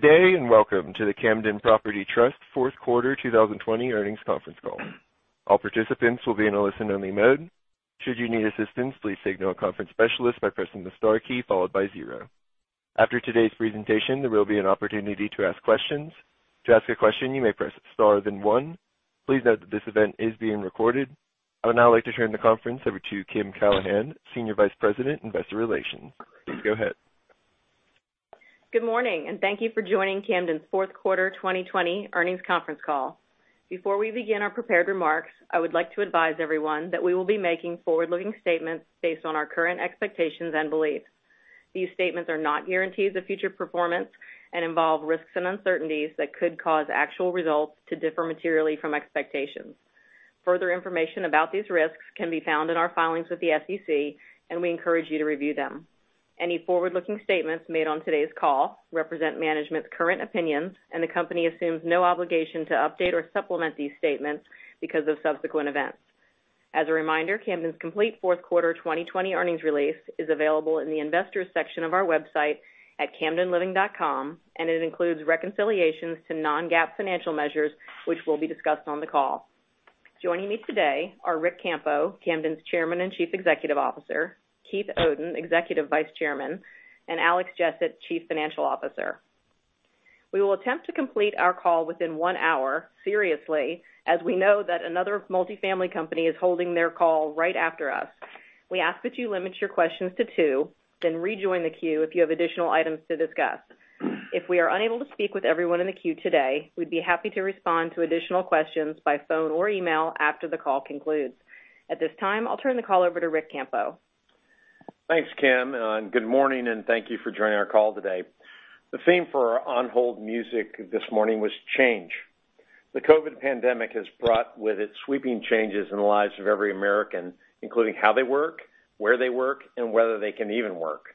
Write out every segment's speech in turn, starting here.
Good day, and welcome to the Camden Property Trust fourth quarter 2020 earnings conference call. I would now like to turn the conference over to Kim Callahan, Senior Vice President, Investor Relations. Please go ahead. Good morning, thank you for joining Camden's fourth quarter 2020 earnings conference call. Before we begin our prepared remarks, I would like to advise everyone that we will be making forward-looking statements based on our current expectations and beliefs. These statements are not guarantees of future performance and involve risks and uncertainties that could cause actual results to differ materially from expectations. Further information about these risks can be found in our filings with the SEC, and we encourage you to review them. Any forward-looking statements made on today's call represent management's current opinions, and the company assumes no obligation to update or supplement these statements because of subsequent events. As a reminder, Camden's complete fourth quarter 2020 earnings release is available in the Investors section of our website at camdenliving.com, and it includes reconciliations to non-GAAP financial measures, which will be discussed on the call. Joining me today are Ric Campo, Camden's Chairman and Chief Executive Officer, Keith Oden, Executive Vice Chairman, and Alex Jessett, Chief Financial Officer. We will attempt to complete our call within one hour, seriously, as we know that another multi-family company is holding their call right after us. We ask that you limit your questions to two, then rejoin the queue if you have additional items to discuss. If we are unable to speak with everyone in the queue today, we'd be happy to respond to additional questions by phone or email after the call concludes. At this time, I'll turn the call over to Ric Campo. Thanks, Kim. Good morning, and thank you for joining our call today. The theme for our on-hold music this morning was change. The COVID pandemic has brought with it sweeping changes in the lives of every American, including how they work, where they work, and whether they can even work.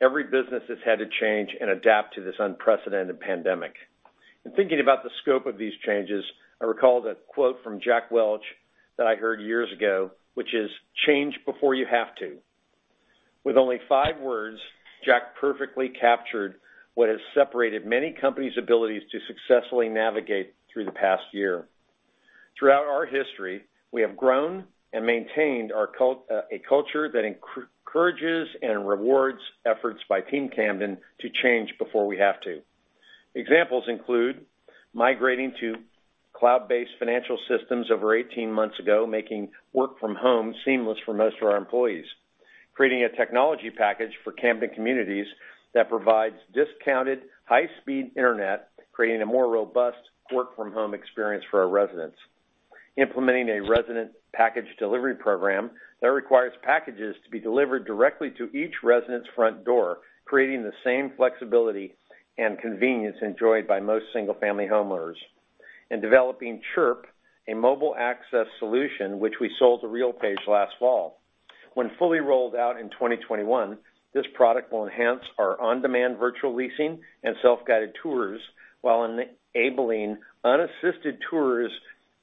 Every business has had to change and adapt to this unprecedented pandemic. In thinking about the scope of these changes, I recall the quote from Jack Welch that I heard years ago, which is, "Change before you have to." With only five words, Jack perfectly captured what has separated many companies' abilities to successfully navigate through the past year. Throughout our history, we have grown and maintained a culture that encourages and rewards efforts by Team Camden to change before we have to. Examples include migrating to cloud-based financial systems over 18 months ago, making work from home seamless for most of our employees. Creating a technology package for Camden communities that provides discounted high-speed internet, creating a more robust work-from-home experience for our residents. Implementing a resident package delivery program that requires packages to be delivered directly to each resident's front door, creating the same flexibility and convenience enjoyed by most single-family homeowners, and developing Chirp, a mobile access solution, which we sold to RealPage last fall. When fully rolled out in 2021, this product will enhance our on-demand virtual leasing and self-guided tours while enabling unassisted tours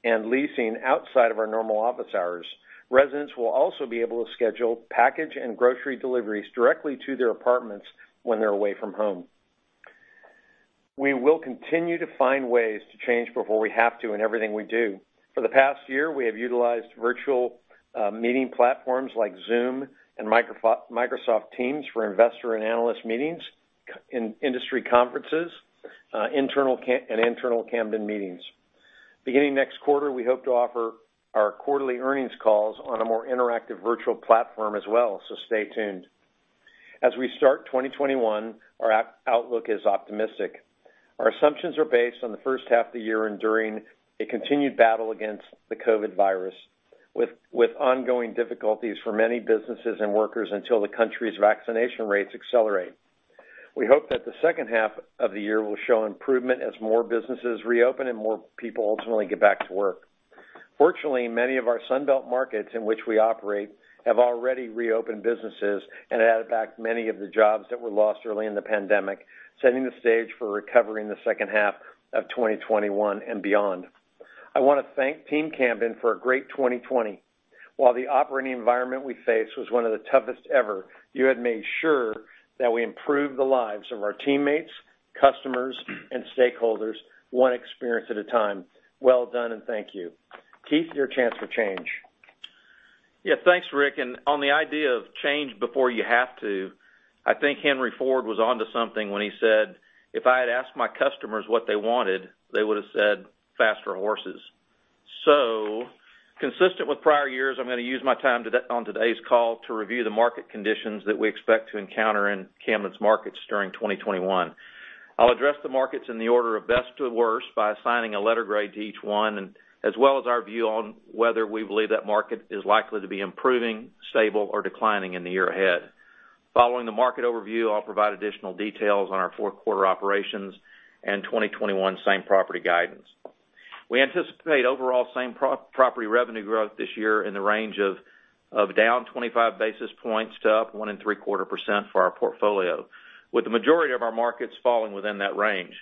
and leasing outside of our normal office hours. Residents will also be able to schedule package and grocery deliveries directly to their apartments when they're away from home. We will continue to find ways to change before we have to in everything we do. For the past year, we have utilized virtual meeting platforms like Zoom and Microsoft Teams for investor and analyst meetings, industry conferences, and internal Camden meetings. Beginning next quarter, we hope to offer our quarterly earnings calls on a more interactive virtual platform as well, so stay tuned. As we start 2021, our outlook is optimistic. Our assumptions are based on the first half of the year enduring a continued battle against the COVID virus, with ongoing difficulties for many businesses and workers until the country's vaccination rates accelerate. We hope that the second half of the year will show improvement as more businesses reopen and more people ultimately get back to work. Fortunately, many of our Sunbelt markets in which we operate have already reopened businesses and added back many of the jobs that were lost early in the pandemic, setting the stage for a recovery in the second half of 2021 and beyond. I want to thank Team Camden for a great 2020. While the operating environment we faced was one of the toughest ever, you had made sure that we improved the lives of our teammates, customers, and stakeholders one experience at a time. Well done, and thank you. Keith, your chance for change. Yeah. Thanks, Ric. On the idea of change before you have to, I think Henry Ford was onto something when he said, "If I had asked my customers what they wanted, they would've said faster horses." Consistent with prior years, I'm going to use my time on today's call to review the market conditions that we expect to encounter in Camden's markets during 2021. I'll address the markets in the order of best to worst by assigning a letter grade to each one, as well as our view on whether we believe that market is likely to be improving, stable, or declining in the year ahead. Following the market overview, I'll provide additional details on our fourth quarter operations and 2021 same-property guidance. We anticipate overall same-property revenue growth this year in the range of down 25 basis points to up 1.75% for our portfolio, with the majority of our markets falling within that range.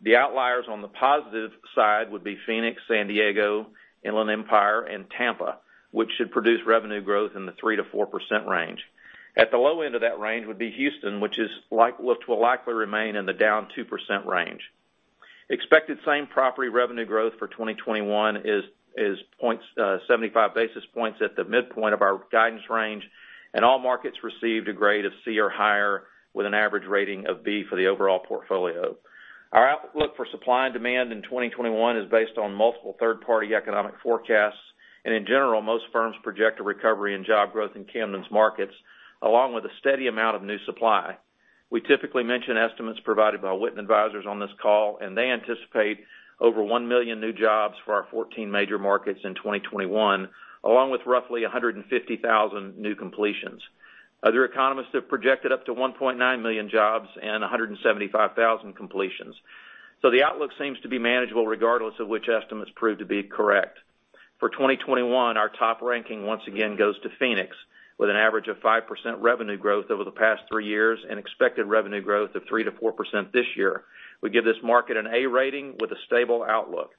The outliers on the positive side would be Phoenix, San Diego, Inland Empire, and Tampa, which should produce revenue growth in the 3%-4% range. At the low end of that range would be Houston, which will likely remain in the down 2% range. Expected same-property revenue growth for 2021 is 75 basis points at the midpoint of our guidance range. All markets received a grade of C or higher, with an average rating of B for the overall portfolio. Our outlook for supply and demand in 2021 is based on multiple third-party economic forecasts, and in general, most firms project a recovery in job growth in Camden's markets, along with a steady amount of new supply. We typically mention estimates provided by Witten Advisors on this call, and they anticipate over 1 million new jobs for our 14 major markets in 2021, along with roughly 150,000 new completions. Other economists have projected up to 1.9 million jobs and 175,000 completions. The outlook seems to be manageable regardless of which estimates prove to be correct. For 2021, our top ranking once again goes to Phoenix, with an average of 5% revenue growth over the past three years and expected revenue growth of 3%-4% this year. We give this market an A rating with a stable outlook.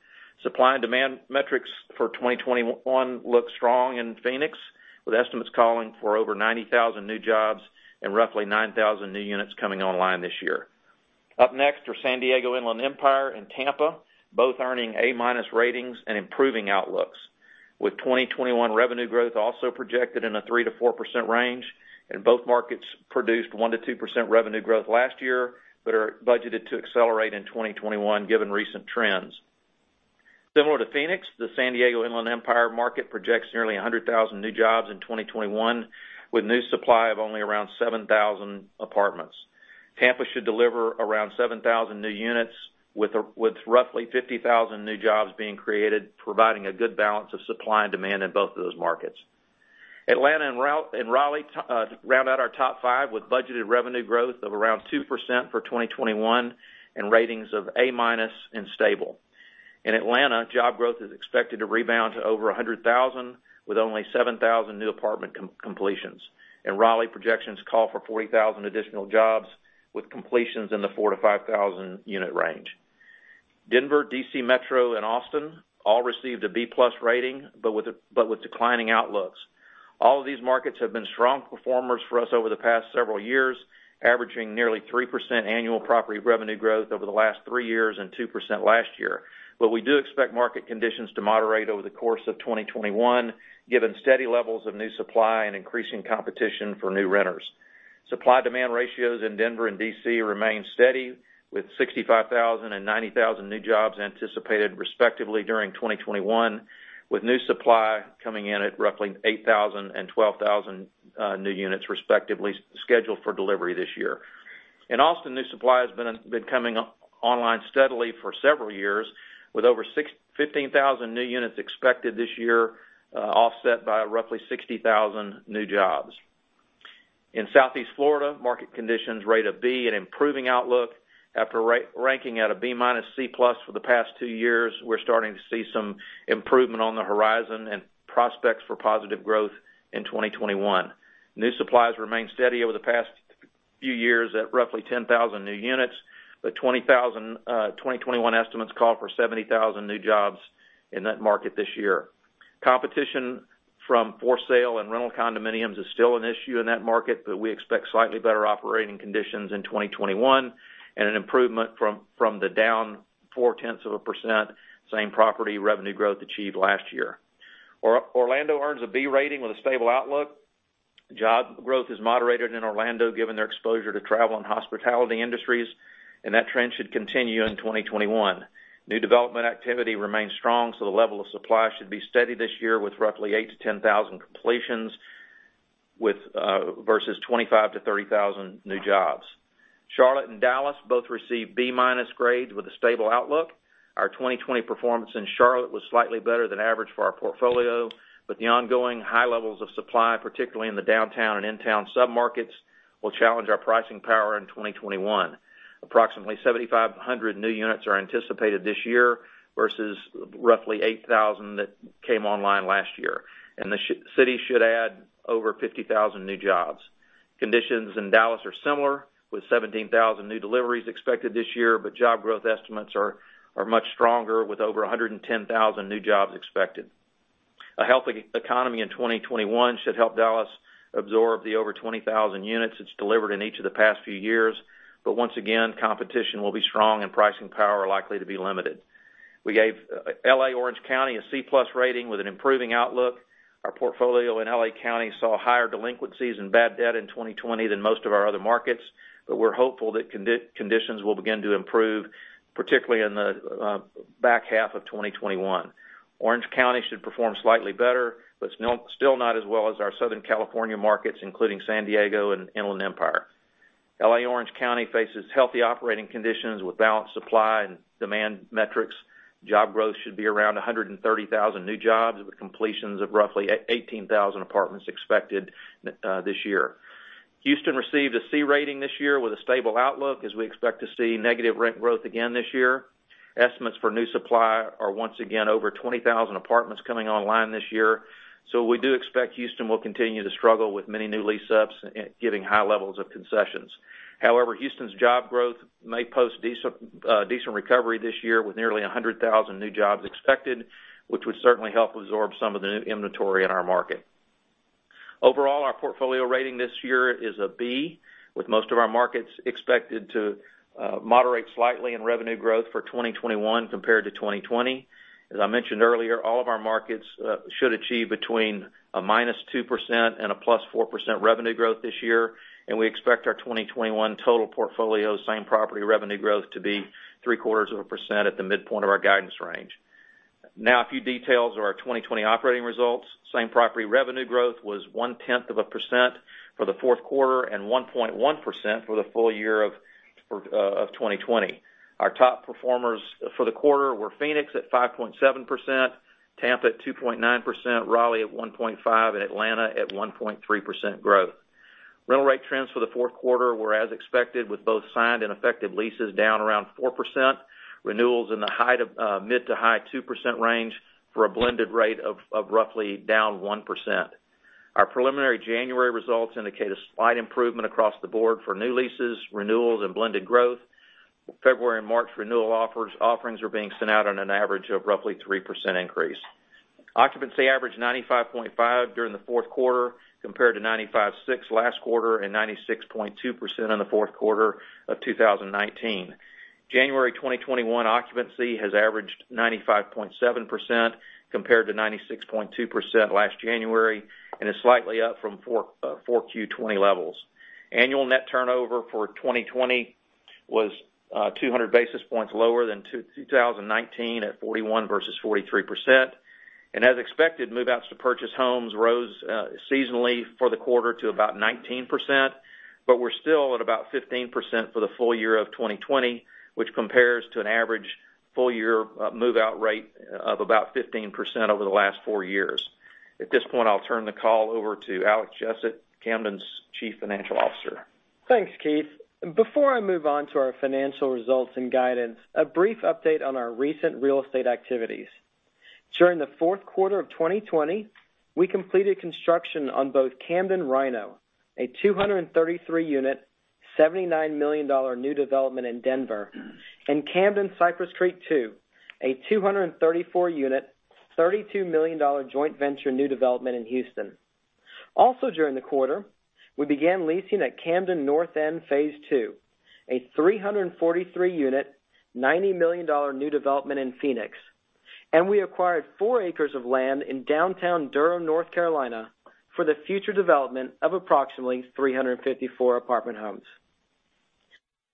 Supply and demand metrics for 2021 look strong in Phoenix, with estimates calling for over 90,000 new jobs and roughly 9,000 new units coming online this year. Up next are San Diego, Inland Empire, and Tampa, both earning A- ratings and improving outlooks, with 2021 revenue growth also projected in a 3%-4% range, both markets produced 1%-2% revenue growth last year, but are budgeted to accelerate in 2021 given recent trends. Similar to Phoenix, the San Diego Inland Empire market projects nearly 100,000 new jobs in 2021, with new supply of only around 7,000 apartments. Tampa should deliver around 7,000 new units, with roughly 50,000 new jobs being created, providing a good balance of supply and demand in both of those markets. Atlanta and Raleigh round out our top five with budgeted revenue growth of around 2% for 2021 and ratings of A- and stable. In Atlanta, job growth is expected to rebound to over 100,000, with only 7,000 new apartment completions. In Raleigh, projections call for 40,000 additional jobs, with completions in the 4,000 to 5,000-unit range. Denver, D.C. Metro, and Austin all received a B+ rating, with declining outlooks. All of these markets have been strong performers for us over the past several years, averaging nearly 3% annual property revenue growth over the last three years and 2% last year. We do expect market conditions to moderate over the course of 2021, given steady levels of new supply and increasing competition for new renters. Supply-demand ratios in Denver and D.C. remain steady, with 65,000 and 90,000 new jobs anticipated, respectively, during 2021, with new supply coming in at roughly 8,000 and 12,000 new units, respectively, scheduled for delivery this year. In Austin, new supply has been coming online steadily for several years, with over 15,000 new units expected this year, offset by roughly 60,000 new jobs. In Southeast Florida, market conditions rate a B, an improving outlook. After ranking at a B- or C+ for the past two years, we're starting to see some improvement on the horizon and prospects for positive growth in 2021. New supplies remain steady over the past few years at roughly 10,000 new units, but 2021 estimates call for 70,000 new jobs in that market this year. Competition from for-sale and rental condominiums is still an issue in that market, but we expect slightly better operating conditions in 2021 and an improvement from the down 0.4% same-property revenue growth achieved last year. Orlando earns a B rating with a stable outlook. Job growth has moderated in Orlando given their exposure to travel and hospitality industries. That trend should continue in 2021. New development activity remains strong, so the level of supply should be steady this year, with roughly 8,000-10,000 completions versus 25,000-30,000 new jobs. Charlotte and Dallas both received B- grades with a stable outlook. Our 2020 performance in Charlotte was slightly better than average for our portfolio, but the ongoing high levels of supply, particularly in the downtown and in-town submarkets, will challenge our pricing power in 2021. Approximately 7,500 new units are anticipated this year versus roughly 8,000 that came online last year. The city should add over 50,000 new jobs. Conditions in Dallas are similar, with 17,000 new deliveries expected this year. Job growth estimates are much stronger, with over 110,000 new jobs expected. A healthy economy in 2021 should help Dallas absorb the over 20,000 units it's delivered in each of the past few years. Once again, competition will be strong and pricing power likely to be limited. We gave L.A. Orange County a C+ rating with an improving outlook. Our portfolio in L.A. County saw higher delinquencies in bad debt in 2020 than most of our other markets, but we're hopeful that conditions will begin to improve, particularly in the back half of 2021. Orange County should perform slightly better, but still not as well as our Southern California markets, including San Diego and Inland Empire. L.A. Orange County faces healthy operating conditions with balanced supply and demand metrics. Job growth should be around 130,000 new jobs, with completions of roughly 18,000 apartments expected this year. Houston received a C rating this year with a stable outlook, as we expect to see negative rent growth again this year. Estimates for new supply are once again over 20,000 apartments coming online this year. We do expect Houston will continue to struggle with many new lease-ups giving high levels of concessions. However, Houston's job growth may post decent recovery this year with nearly 100,000 new jobs expected, which would certainly help absorb some of the new inventory in our market. Overall, our portfolio rating this year is a B, with most of our markets expected to moderate slightly in revenue growth for 2021 compared to 2020. As I mentioned earlier, all of our markets should achieve between a -2% and a +4% revenue growth this year, and we expect our 2021 total portfolio same-property revenue growth to be 0.75% at the midpoint of our guidance range. Now, a few details of our 2020 operating results. Same-property revenue growth was 0.1% for the Q4 and 1.1% for the full-year of 2020. Our top performers for the quarter were Phoenix at 5.7%, Tampa at 2.9%, Raleigh at 1.5%, and Atlanta at 1.3% growth. Rental rate trends for the Q4 were as expected, with both signed and effective leases down around 4%, renewals in the mid to high 2% range for a blended rate of roughly down 1%. Our preliminary January results indicate a slight improvement across the board for new leases, renewals, and blended growth. February and March renewal offerings are being sent out on an average of roughly 3% increase. Occupancy averaged 95.5% during the fourth quarter, compared to 95.6% last quarter and 96.2% in the fourth quarter of 2019. January 2021 occupancy has averaged 95.7%, compared to 96.2% last January, and is slightly up from 4Q 2020 levels. Annual net turnover for 2020 was 200 basis points lower than 2019 at 41% versus 43%. As expected, move-outs to purchase homes rose seasonally for the quarter to about 19%, but we're still at about 15% for the full-year of 2020, which compares to an average full-year move-out rate of about 15% over the last four years. At this point, I'll turn the call over to Alex Jessett, Camden's Chief Financial Officer. Thanks, Keith. Before I move on to our financial results and guidance, a brief update on our recent real estate activities. During the fourth quarter of 2020, we completed construction on both Camden RiNo, a 233-unit, $79 million new development in Denver, and Camden Cypress Creek II, a 234-unit, $32 million joint venture new development in Houston. Also during the quarter, we began leasing at Camden North End II, a 343-unit, $90 million new development in Phoenix. We acquired four acres of land in downtown Durham, North Carolina, for the future development of approximately 354 apartment homes.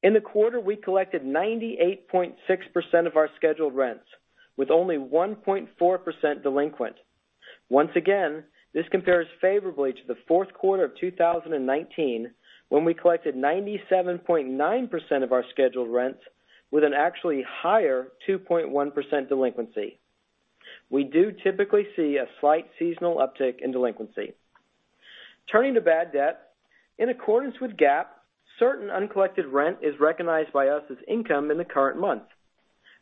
In the quarter, we collected 98.6% of our scheduled rents, with only 1.4% delinquent. Once again, this compares favorably to the fourth quarter of 2019, when we collected 97.9% of our scheduled rents with an actually higher 2.1% delinquency. We do typically see a slight seasonal uptick in delinquency. Turning to bad debt. In accordance with GAAP, certain uncollected rent is recognized by us as income in the current month.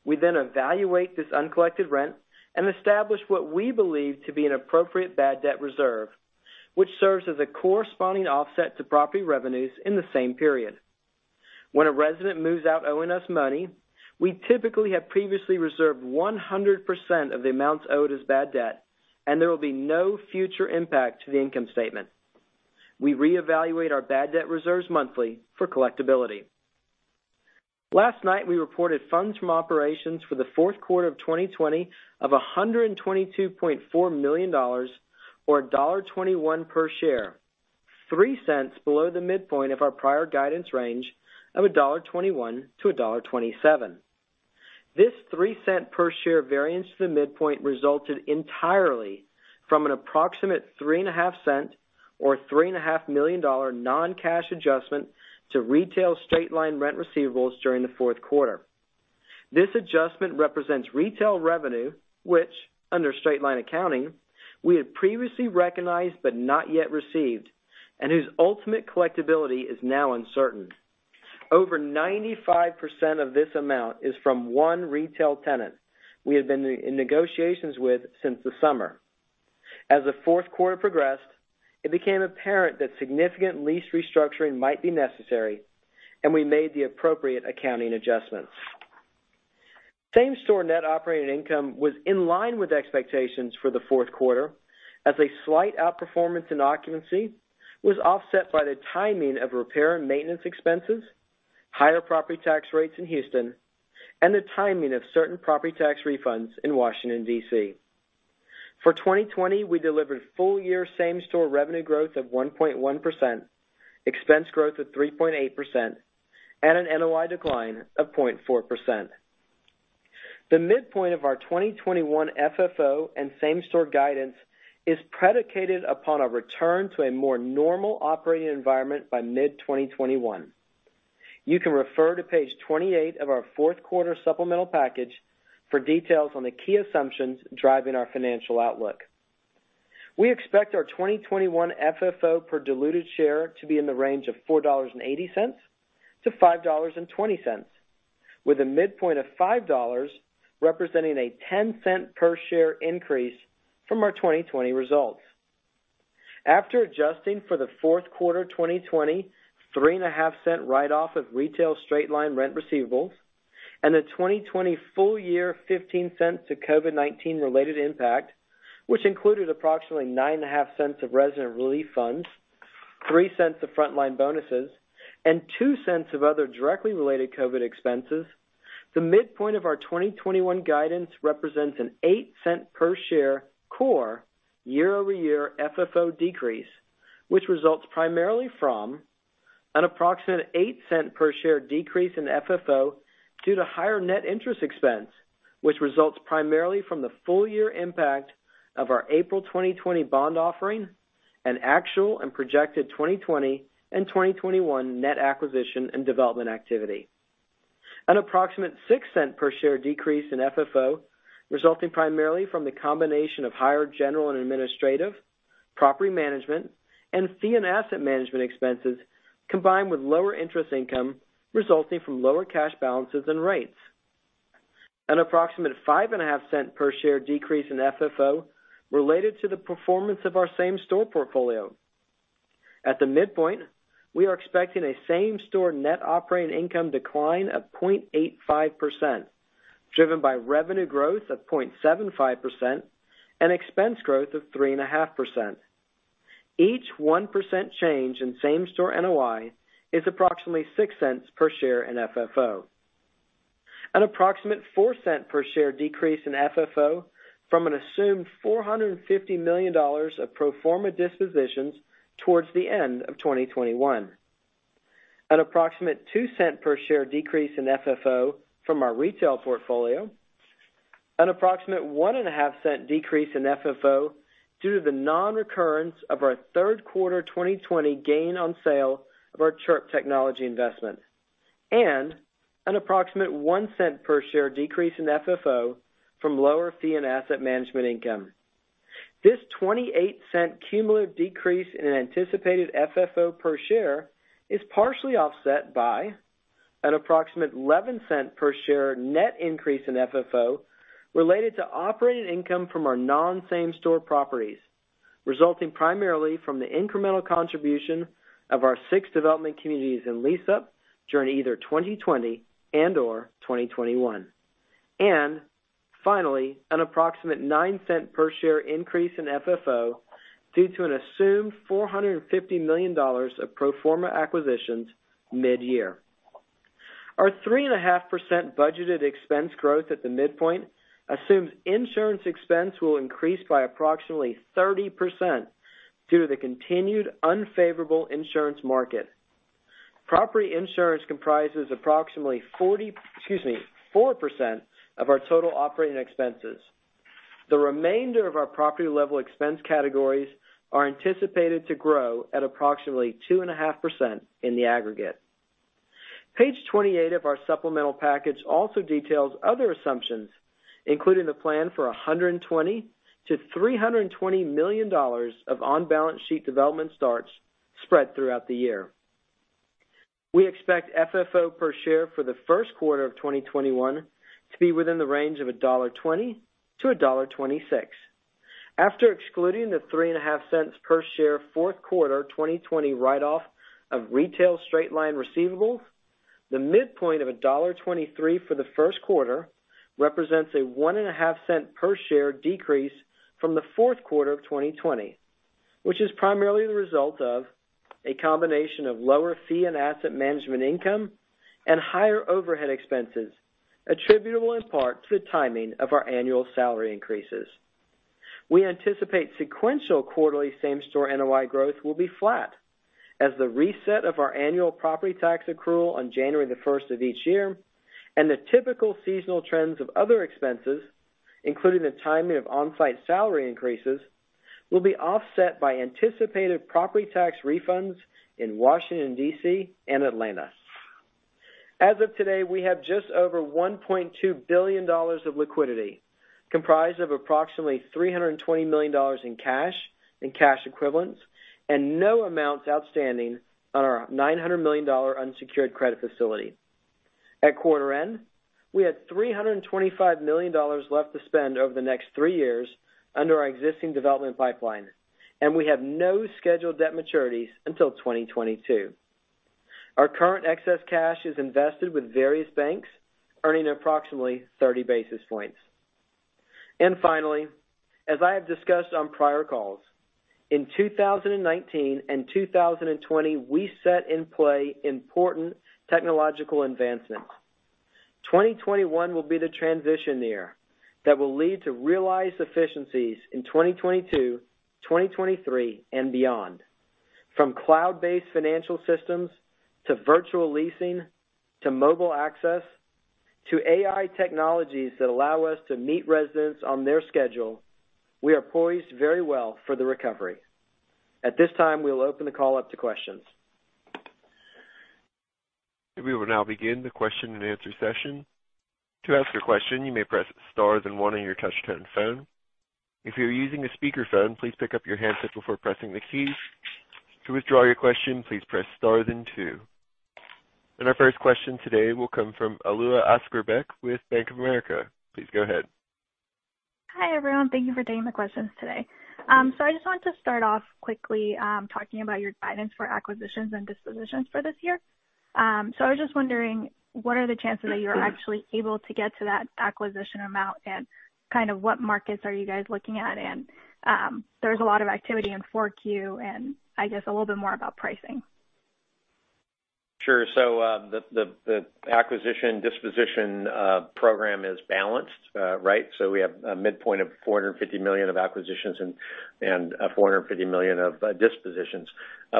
We evaluate this uncollected rent and establish what we believe to be an appropriate bad debt reserve, which serves as a corresponding offset to property revenues in the same period. When a resident moves out owing us money, we typically have previously reserved 100% of the amounts owed as bad debt, and there will be no future impact to the income statement. We reevaluate our bad debt reserves monthly for collectability. Last night, we reported funds from operations for the fourth quarter of 2020 of $122.4 million, or $1.21 per share, $0.03 below the midpoint of our prior guidance range of $1.21-$1.27. This $0.03 per share variance to the midpoint resulted entirely from an approximate $0.035, or $3.5 million, non-cash adjustment to retail straight-line rent receivables during the fourth quarter. This adjustment represents retail revenue, which, under straight-line accounting, we had previously recognized but not yet received, and whose ultimate collectability is now uncertain. Over 95% of this amount is from one retail tenant we have been in negotiations with since the summer. As the fourth quarter progressed, it became apparent that significant lease restructuring might be necessary, and we made the appropriate accounting adjustments. Same-store net operating income was in line with expectations for the fourth quarter, as a slight outperformance in occupancy was offset by the timing of repair and maintenance expenses, higher property tax rates in Houston, and the timing of certain property tax refunds in Washington, D.C. For 2020, we delivered full-year same-store revenue growth of 1.1%, expense growth of 3.8%, and an NOI decline of 0.4%. The midpoint of our 2021 FFO and same-store guidance is predicated upon a return to a more normal operating environment by mid-2021. You can refer to page 28 of our fourth quarter supplemental package for details on the key assumptions driving our financial outlook. We expect our 2021 FFO per diluted share to be in the range of $4.80-$5.20, with a midpoint of $5, representing a $0.10 per share increase from our 2020 results. After adjusting for the fourth quarter 2020, $0.035 write-off of retail straight-line rent receivables, and the 2020 full-year $0.15 COVID-19 related impact, which included approximately $0.095 of resident relief funds, $0.03 of frontline bonuses, and $0.02 of other directly related COVID expenses, the midpoint of our 2021 guidance represents an $0.08 per share core year-over-year FFO decrease, which results primarily from an approximate $0.08 per share decrease in FFO due to higher net interest expense, which results primarily from the full-year impact of our April 2020 bond offering and actual and projected 2020 and 2021 net acquisition and development activity. An approximate $0.06 per share decrease in FFO resulting primarily from the combination of higher general and administrative, property management, and fee and asset management expenses, combined with lower interest income resulting from lower cash balances and rates. An approximate $0.055 per share decrease in FFO related to the performance of our same store portfolio. At the midpoint, we are expecting a same-store net operating income decline of 0.85%, driven by revenue growth of 0.75% and expense growth of 3.5%. Each 1% change in same store NOI is approximately $0.06 per share in FFO. An approximate $0.04 per share decrease in FFO from an assumed $450 million of pro forma dispositions towards the end of 2021. An approximate $0.02 per share decrease in FFO from our retail portfolio. An approximate $0.015 decrease in FFO due to the non-recurrence of our third quarter 2020 gain on sale of our Chirp investment. An approximate $0.01 per share decrease in FFO from lower fee and asset management income. This $0.28 cumulative decrease in anticipated FFO per share is partially offset by an approximate $0.11 per share net increase in FFO related to operating income from our non-same store properties, resulting primarily from the incremental contribution of our six development communities in lease-up during either 2020 and/or 2021. Finally, an approximate $0.09 per share increase in FFO due to an assumed $450 million of pro forma acquisitions mid-year. Our 3.5% budgeted expense growth at the midpoint assumes insurance expense will increase by approximately 30% due to the continued unfavorable insurance market. Property insurance comprises approximately 4% of our total operating expenses. The remainder of our property-level expense categories are anticipated to grow at approximately 2.5% in the aggregate. Page 28 of our supplemental package also details other assumptions, including the plan for $120 million-$320 million of on-balance sheet development starts spread throughout the year. We expect FFO per share for the first quarter of 2021 to be within the range of $1.20-$1.26. After excluding the $0.035 per share fourth quarter 2020 write-off of retail straight-line receivables, the midpoint of $1.23 for the first quarter represents a $0.015 per share decrease from the fourth quarter of 2020, which is primarily the result of a combination of lower fee and asset management income and higher overhead expenses, attributable in part to the timing of our annual salary increases. We anticipate sequential quarterly same store NOI growth will be flat as the reset of our annual property tax accrual on January 1st of each year and the typical seasonal trends of other expenses, including the timing of on-site salary increases, will be offset by anticipated property tax refunds in Washington, D.C., and Atlanta. As of today, we have just over $1.2 billion of liquidity, comprised of approximately $320 million in cash and cash equivalents, and no amounts outstanding on our $900 million unsecured credit facility. At quarter end, we had $325 million left to spend over the next three years under our existing development pipeline, and we have no scheduled debt maturities until 2022. Our current excess cash is invested with various banks, earning approximately 30 basis points. Finally, as I have discussed on prior calls, in 2019 and 2020, we set in play important technological advancements. 2021 will be the transition year that will lead to realized efficiencies in 2022, 2023, and beyond. From cloud-based financial systems to virtual leasing, to mobile access, to AI technologies that allow us to meet residents on their schedule, we are poised very well for the recovery. At this time, we'll open the call up to questions. Our first question today will come from Alua Askarbek with Bank of America. Please go ahead. Hi, everyone. Thank you for taking the questions today. I just wanted to start off quickly, talking about your guidance for acquisitions and dispositions for this year. I was just wondering, what are the chances that you're actually able to get to that acquisition amount, and kind of what markets are you guys looking at? There's a lot of activity in 4Q, and I guess a little bit more about pricing? Sure. The acquisition disposition program is balanced, right? We have a midpoint of $450 million of acquisitions and $450 million of dispositions.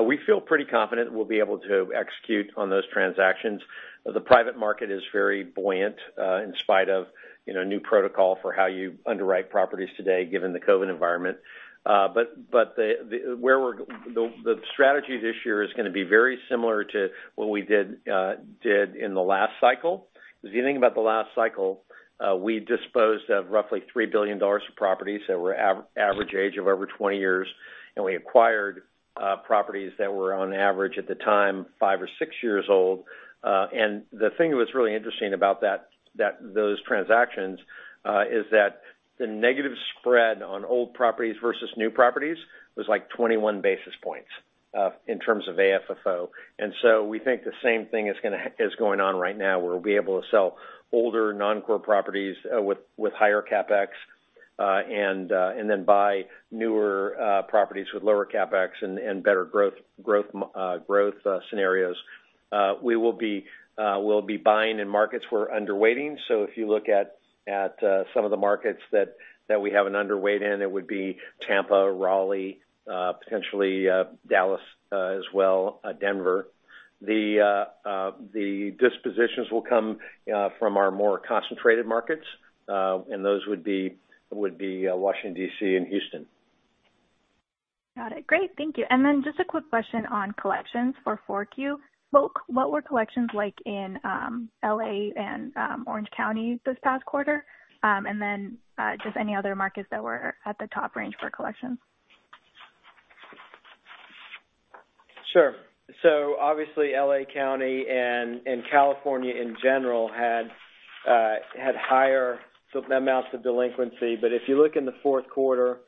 We feel pretty confident we'll be able to execute on those transactions. The private market is very buoyant, in spite of new protocol for how you underwrite properties today, given the COVID environment. The strategy this year is going to be very similar to what we did in the last cycle. If you think about the last cycle, we disposed of roughly $3 billion of properties that were average age of over 20 years, and we acquired properties that were on average at the time, five or six years old. The thing that was really interesting about those transactions, is that the negative spread on old properties versus new properties was like 21 basis points, in terms of AFFO. We think the same thing is going on right now, where we'll be able to sell older non-core properties with higher CapEx, and then buy newer properties with lower CapEx and better growth scenarios. We'll be buying in markets we're underweighting. If you look at some of the markets that we have an underweight in, it would be Tampa, Raleigh, potentially Dallas, as well Denver. The dispositions will come from our more concentrated markets, and those would be Washington, D.C., and Houston. Got it. Great, thank you. Just a quick question on collections for 4Q. What were collections like in L.A. and Orange County this past quarter? Just any other markets that were at the top range for collections. Sure. Obviously, L.A. County and California in general had higher amounts of delinquency. If you look in the fourth quarter,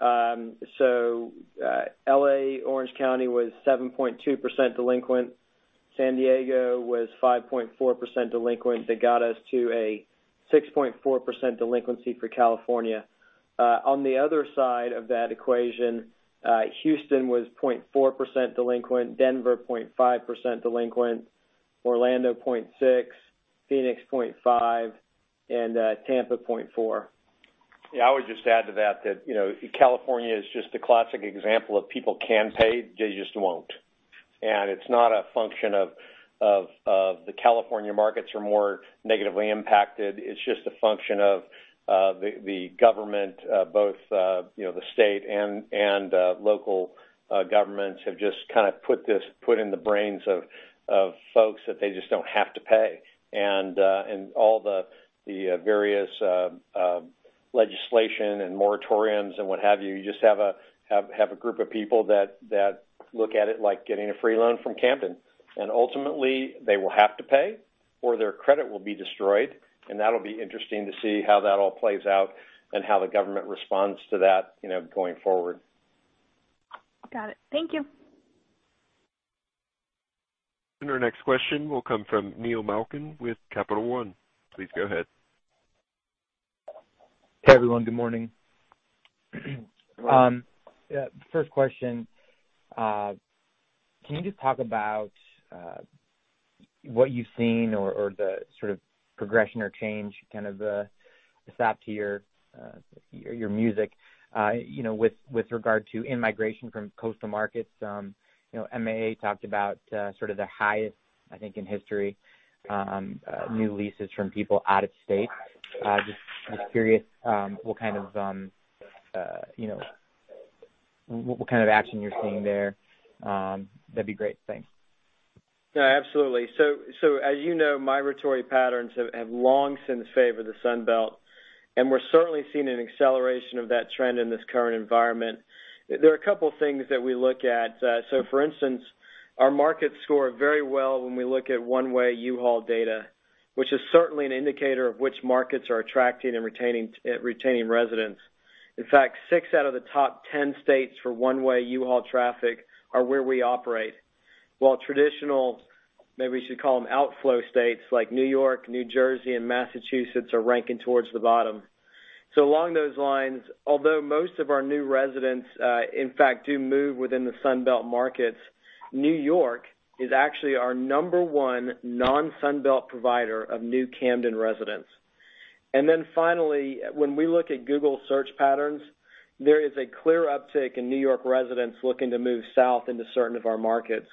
L.A., Orange County was 7.2% delinquent. San Diego was 5.4% delinquent. That got us to a 6.4% delinquency for California. On the other side of that equation, Houston was 0.4% delinquent. Denver, 0.5% delinquent. Orlando, 0.6%. Phoenix, 0.5%. Tampa, 0.4%. Yeah, I would just add to that California is just a classic example of people can pay, they just won't. It's not a function of the California markets are more negatively impacted. It's just a function of the government, both the state and local governments have just kind of put in the brains of folks that they just don't have to pay. All the various legislation and moratoriums and what have you, just have a group of people that look at it like getting a free loan from Camden. Ultimately they will have to pay or their credit will be destroyed. That'll be interesting to see how that all plays out and how the government responds to that going forward. Got it. Thank you. Our next question will come from Neil Malkin with Capital One. Please go ahead. Hey, everyone. Good morning. Good morning. First question, can you just talk about what you've seen or the sort of progression or change kind of the step to your metrics, with regard to in-migration from coastal markets? MAA talked about sort of the highest, I think, in history, new leases from people out of state. Just curious, what kind of action you're seeing there. That'd be great. Thanks. Yeah, absolutely. As you know, migratory patterns have long since favored the Sunbelt, and we're certainly seeing an acceleration of that trend in this current environment. There are a couple things that we look at. For instance, our markets score very well when we look at one-way U-Haul data, which is certainly an indicator of which markets are attracting and retaining residents. In fact, six out of the top 10 states for one-way U-Haul traffic are where we operate, while traditional, maybe we should call them outflow states like New York, New Jersey and Massachusetts, are ranking towards the bottom. Along those lines, although most of our new residents, in fact, do move within the Sunbelt markets, New York is actually our number one non-Sunbelt provider of new Camden residents. Finally, when we look at Google search patterns, there is a clear uptick in New York residents looking to move south into certain of our markets.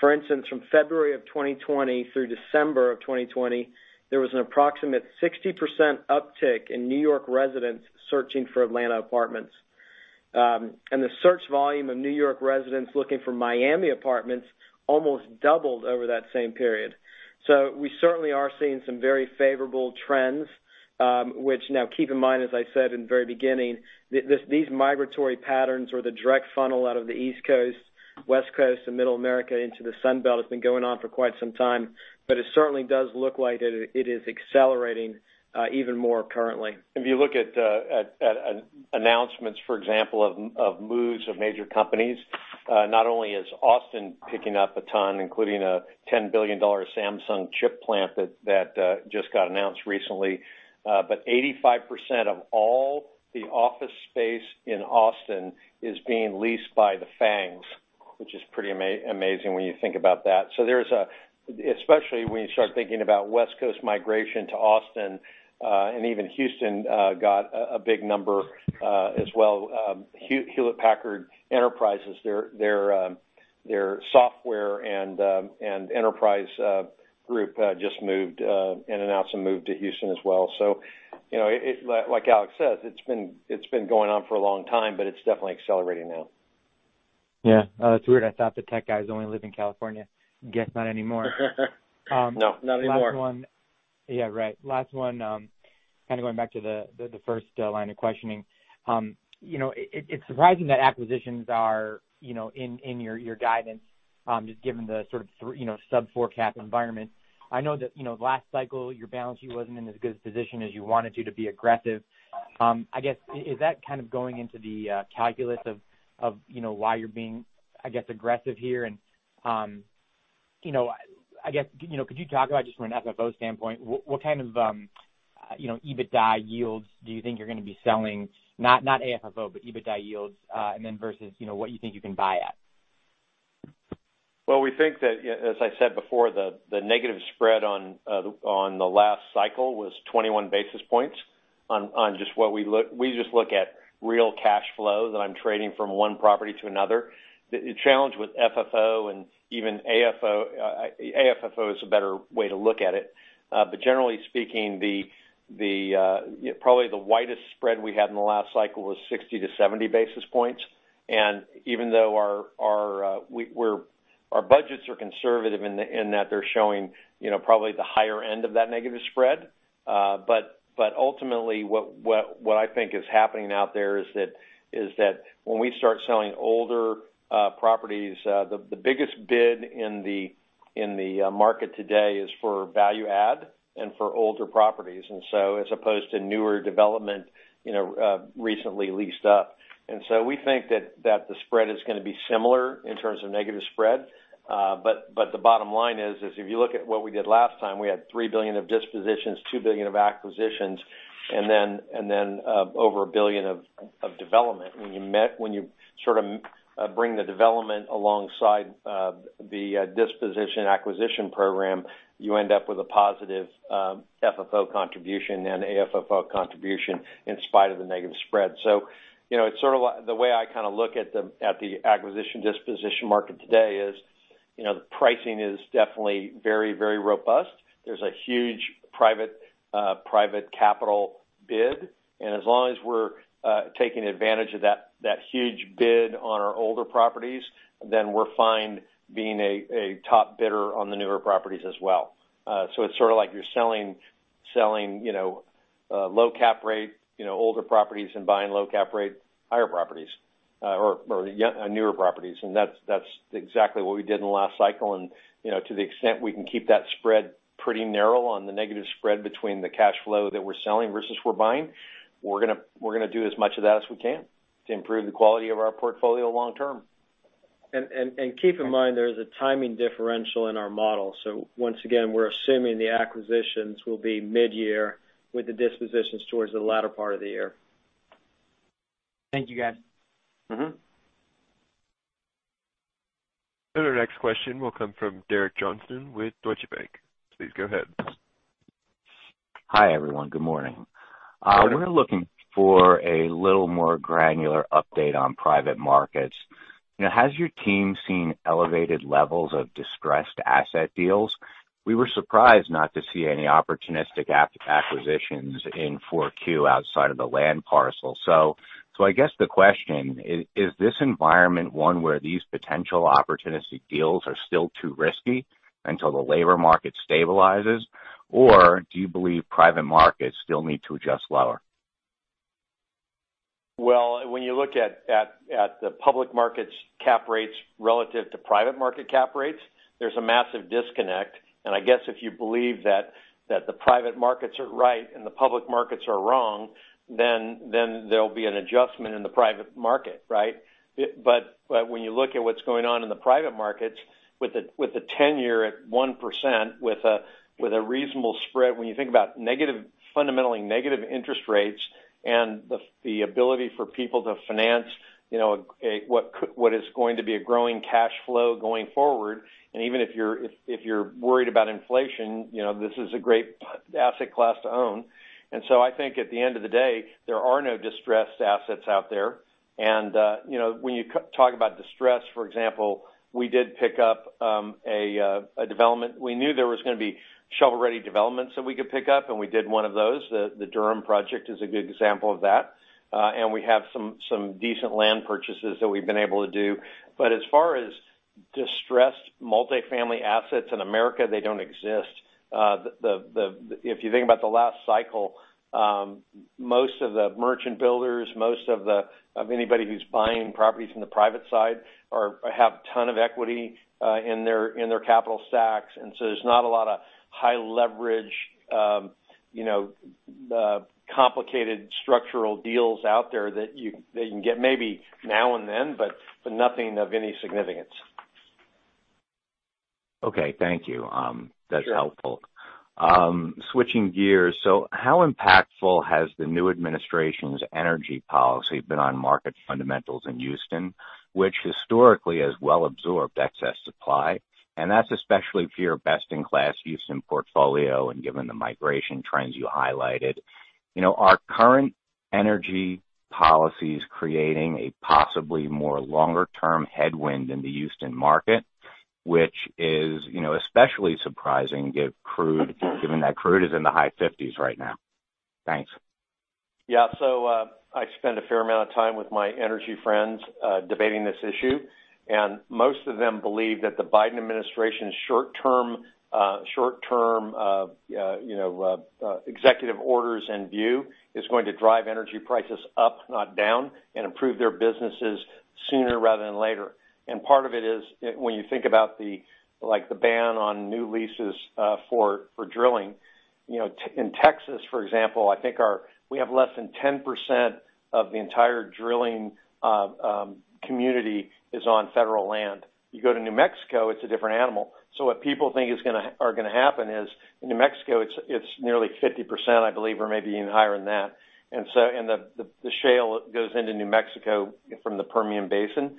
For instance, from February of 2020 through December of 2020, there was an approximate 60% uptick in New York residents searching for Atlanta apartments. The search volume of New York residents looking for Miami apartments almost doubled over that same period. We certainly are seeing some very favorable trends. Which now keep in mind, as I said in the very beginning, these migratory patterns or the direct funnel out of the East Coast, West Coast, and Middle America into the Sunbelt has been going on for quite some time, it certainly does look like it is accelerating even more currently. If you look at announcements, for example, of moves of major companies, not only is Austin picking up a ton, including a $10 billion Samsung chip plant that just got announced recently, but 85% of all the office space in Austin is being leased by the FANGs, which is pretty amazing when you think about that. Especially when you start thinking about West Coast migration to Austin, and even Houston got a big number as well. Hewlett Packard Enterprise, their software and enterprise group just moved and announced a move to Houston as well. Like Alex says, it's been going on for a long time, but it's definitely accelerating now. Yeah. Oh, that's weird, I thought the tech guys only live in California. Guess not anymore. No, not anymore. Last one. Yeah, right. Last one, kind of going back to the first line of questioning. It is surprising that acquisitions are in your guidance, just given the sort of sub-four cap environment. I know that the last cycle, your balance sheet wasn't in as good as a position as you wanted to be aggressive. I guess, is that kind of going into the calculus of why you are being, I guess, aggressive here and, I guess, could you talk about just from an FFO standpoint, what kind of EBITDA yields do you think you are going to be selling, not AFFO, but EBITDA yields, and then versus what you think you can buy at? We think that, as I said before, the negative spread on the last cycle was 21 basis points on just We just look at real cash flow that I'm trading from one property to another. The challenge with FFO and even AFFO is a better way to look at it. Generally speaking, probably the widest spread we had in the last cycle was 60-70 basis points. Even though our budgets are conservative in that they're showing probably the higher end of that negative spread. Ultimately what I think is happening out there is that when we start selling older properties, the biggest bid in the market today is for value add and for older properties as opposed to newer development, recently leased up. We think that the spread is going to be similar in terms of negative spread. The bottom line is, if you look at what we did last time, we had $3 billion of dispositions, $2 billion of acquisitions, and then over $1 billion of development. When you sort of bring the development alongside the disposition acquisition program, you end up with a positive FFO contribution and AFFO contribution in spite of the negative spread. The way I kind of look at the acquisition disposition market today is, the pricing is definitely very, very robust. There's a huge private capital bid, and as long as we're taking advantage of that huge bid on our older properties, then we're fine being a top bidder on the newer properties as well. It's sort of like you're selling low cap rate, older properties and buying low cap rate, higher properties or newer properties. That's exactly what we did in the last cycle. To the extent we can keep that spread pretty narrow on the negative spread between the cash flow that we're selling versus we're buying, we're going to do as much of that as we can to improve the quality of our portfolio long-term. Keep in mind, there is a timing differential in our model. Once again, we're assuming the acquisitions will be mid-year with the dispositions towards the latter part of the year. Thank you, guys. Our next question will come from Derek Johnston with Deutsche Bank. Please go ahead. Hi, everyone. Good morning. Morning. We're looking for a little more granular update on private markets. Has your team seen elevated levels of distressed asset deals? We were surprised not to see any opportunistic acquisitions in Q4 outside of the land parcel. I guess the question, is this environment one where these potential opportunistic deals are still too risky until the labor market stabilizes? Do you believe private markets still need to adjust lower? Well, when you look at the public markets' cap rates relative to private market cap rates, there's a massive disconnect. I guess if you believe that the private markets are right and the public markets are wrong, then there'll be an adjustment in the private market, right? When you look at what's going on in the private markets with the 10-year at 1% with a reasonable spread, when you think about fundamentally negative interest rates and the ability for people to finance what is going to be a growing cash flow going forward. Even if you're worried about inflation, this is a great asset class to own. I think at the end of the day, there are no distressed assets out there. When you talk about distress, for example, we did pick up a development. We knew there was going to be shovel-ready developments that we could pick up, and we did one of those. The Durham project is a good example of that. We have some decent land purchases that we've been able to do. As far as distressed multifamily assets in America, they don't exist. If you think about the last cycle, most of the merchant builders, most of anybody who's buying properties from the private side, have a ton of equity in their capital stacks. There's not a lot of high-leverage, complicated structural deals out there that you can get, maybe now and then, but nothing of any significance. Okay. Thank you, that's helpful. Switching gears, how impactful has the new administration's energy policy been on market fundamentals in Houston, which historically has well absorbed excess supply, and that's especially for your best-in-class Houston portfolio and given the migration trends you highlighted. Are current energy policies creating a possibly more longer-term headwind in the Houston market, which is especially surprising given that crude is in the high 50s right now? Thanks. Yeah. I spend a fair amount of time with my energy friends, debating this issue, and most of them believe that the Biden administration's short-term executive orders and view is going to drive energy prices up, not down, and improve their businesses sooner rather than later. Part of it is, when you think about the ban on new leases for drilling. In Texas, for example, I think we have less than 10% of the entire drilling community is on federal land. You go to New Mexico, it's a different animal. What people think are going to happen is, in New Mexico, it's nearly 50%, I believe, or maybe even higher than that. The shale goes into New Mexico from the Permian Basin.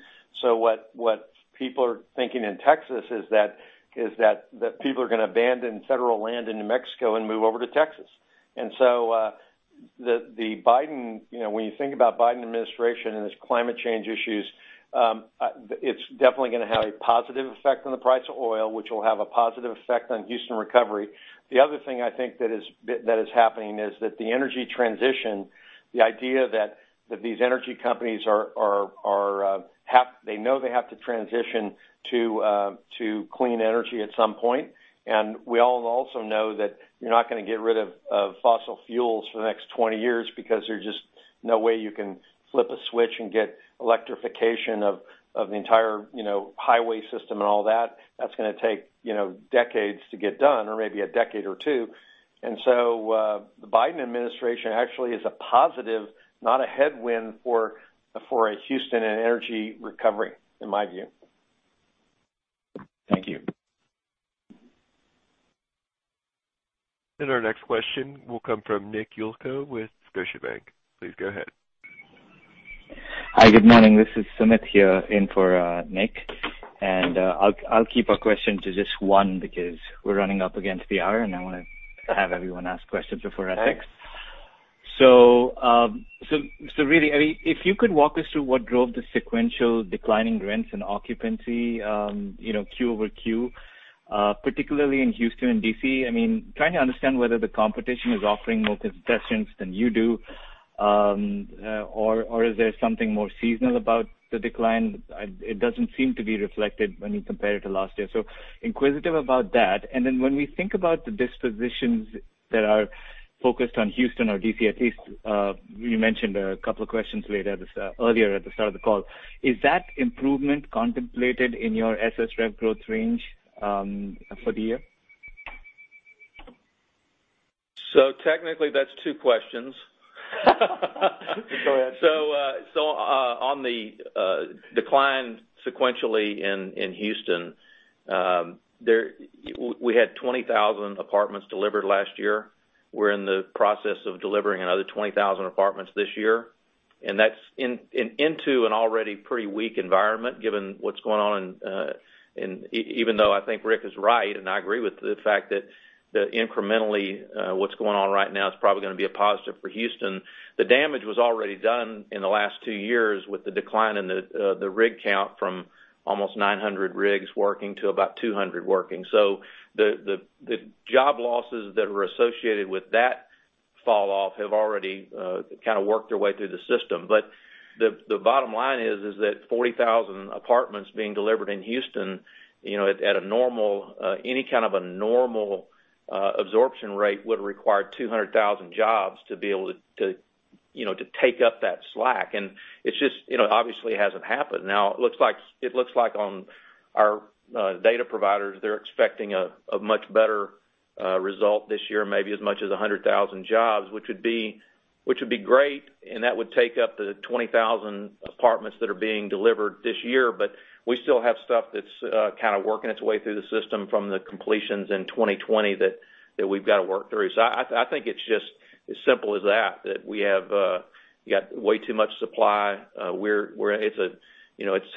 What people are thinking in Texas is that people are going to abandon federal land in New Mexico and move over to Texas. When you think about Biden administration and its climate change issues, it's definitely going to have a positive effect on the price of oil, which will have a positive effect on Houston recovery. The other thing I think that is happening is that the energy transition, the idea that these energy companies, they know they have to transition to clean energy at some point. We all also know that you're not going to get rid of fossil fuels for the next 20 years because there's just no way you can flip a switch and get electrification of the entire highway system and all that. That's going to take decades to get done or maybe a decade or two. The Biden administration actually is a positive, not a headwind for a Houston and energy recovery, in my view. Thank you. Our next question will come from Nick Yulico with Scotiabank. Please go ahead. Hi, good morning. This is Sumit here in for Nick. I'll keep our question to just one because we're running up against the hour, and I want to have everyone ask questions. Really, if you could walk us through what drove the sequential declining rents and occupancy, quarter-over-quarter, particularly in Houston and D.C.? I'm trying to understand whether the competition is offering more concessions than you do, or is there something more seasonal about the decline? It doesn't seem to be reflected when you compare it to last year. I'm inquisitive about that. Then when we think about the dispositions that are focused on Houston or D.C., at least, you mentioned a couple of questions later this earlier at the start of the call, is that improvement contemplated in your SS rev growth range, for the year? Technically, that's two questions. On the decline sequentially in Houston, we had 20,000 apartments delivered last year. We're in the process of delivering another 20,000 apartments this year, and that's into an already pretty weak environment given what's going on, even though I think Ric is right, and I agree with the fact that incrementally, what's going on right now is probably going to be a positive for Houston. The damage was already done in the last two years with the decline in the rig count from almost 900 rigs working to about 200 working. The job losses that were associated with that fall off have already, kind of worked their way through the system. The bottom line is that 40,000 apartments being delivered in Houston, at any kind of a normal absorption rate would require 200,000 jobs to be able to take up that slack. It just obviously hasn't happened. It looks like on our data providers, they're expecting a much better result this year, maybe as much as 100,000 jobs, which would be great, and that would take up the 20,000 apartments that are being delivered this year. We still have stuff that's kind of working its way through the system from the completions in 2020 that we've got to work through. I think it's just as simple as that we have got way too much supply. It's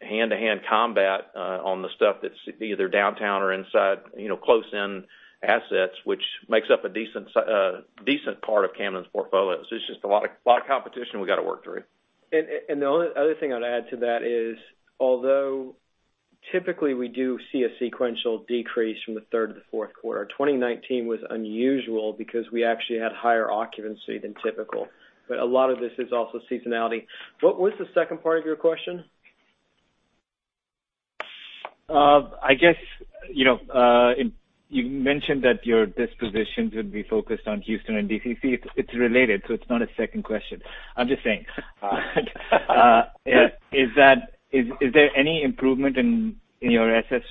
hand-to-hand combat on the stuff that's either downtown or inside close in assets, which makes up a decent part of Camden's portfolio. It's just a lot of competition we got to work through. the only other thing I'd add to that is, although Typically, we do see a sequential decrease from the third to the fourth quarter. 2019 was unusual because we actually had higher occupancy than typical. A lot of this is also seasonality. What was the second part of your question? I guess, you mentioned that your dispositions would be focused on Houston and D.C. It's related, it's not a second question. I'm just saying. Is there any improvement in your assets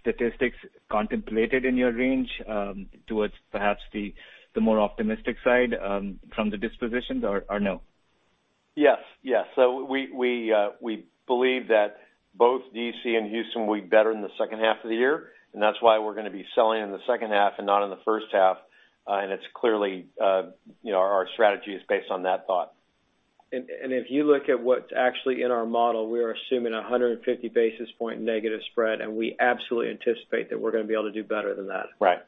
statistics contemplated in your range, towards perhaps the more optimistic side from the dispositions or no? Yes. We believe that both D.C. and Houston will be better in the second half of the year, and that's why we're going to be selling in the second half and not in the first half. It's clearly our strategy is based on that thought. If you look at what's actually in our model, we are assuming 150 basis point negative spread, and we absolutely anticipate that we're going to be able to do better than that. Right.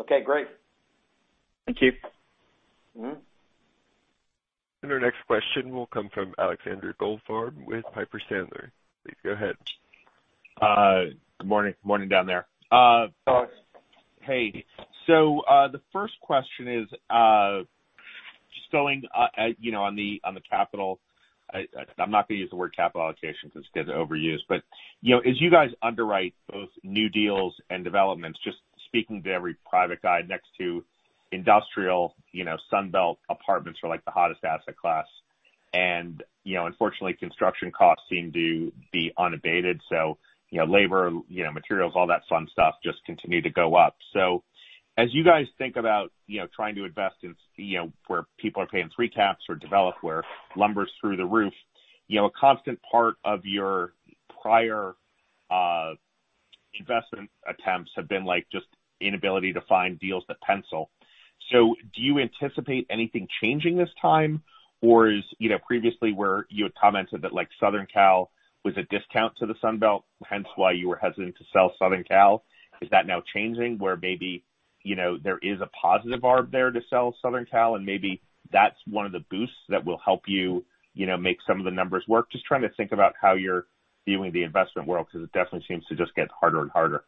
Okay, great. Thank you. Our next question will come from Alexander Goldfarb with Piper Sandler. Please go ahead. Morning down there. The first question is, just going on the capital, I'm not going to use the word capital allocation because it's getting overused, but as you guys underwrite both new deals and developments, just speaking to every private guy next to industrial, Sunbelt apartments are the hottest asset class. Unfortunately, construction costs seem to be unabated. Labor, materials, all that fun stuff just continue to go up. As you guys think about trying to invest in where people are paying three caps or develop where lumber's through the roof, a constant part of your prior investment attempts have been just inability to find deals that pencil. Do you anticipate anything changing this time? Previously, where you had commented that Southern Cal was a discount to the Sunbelt, hence why you were hesitant to sell Southern Cal, is that now changing where maybe there is a positive arb there to sell Southern Cal, and maybe that's one of the boosts that will help you make some of the numbers work? Just trying to think about how you're viewing the investment world, because it definitely seems to just get harder and harder.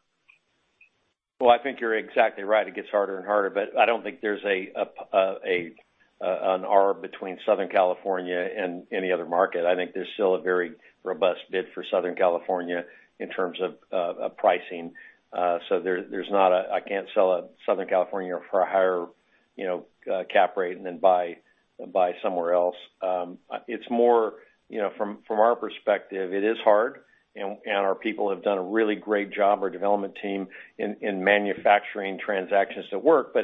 Well, I think you're exactly right. It gets harder and harder. I don't think there's an arb between Southern California and any other market. I think there's still a very robust bid for Southern California in terms of pricing. I can't sell a Southern California for a higher cap rate and then buy somewhere else. It's more from our perspective, it is hard, and our people have done a really great job, our development team in manufacturing transactions that work.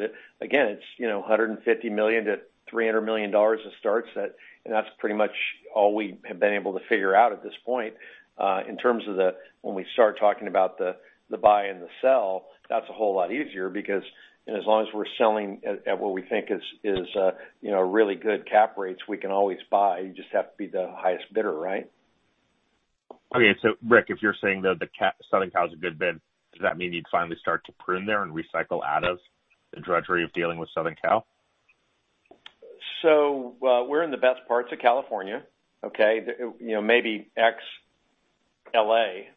Again, it's $150 million-$300 million it starts at, and that's pretty much all we have been able to figure out at this point. When we start talking about the buy and the sell, that's a whole lot easier because, and as long as we're selling at what we think is really good cap rates, we can always buy. You just have to be the highest bidder, right? Okay. Ric, if you're saying though the Southern Cal's a good bid, does that mean you'd finally start to prune there and recycle out of the drudgery of dealing with Southern Cal? We're in the best parts of California. Okay? Maybe ex-L.A.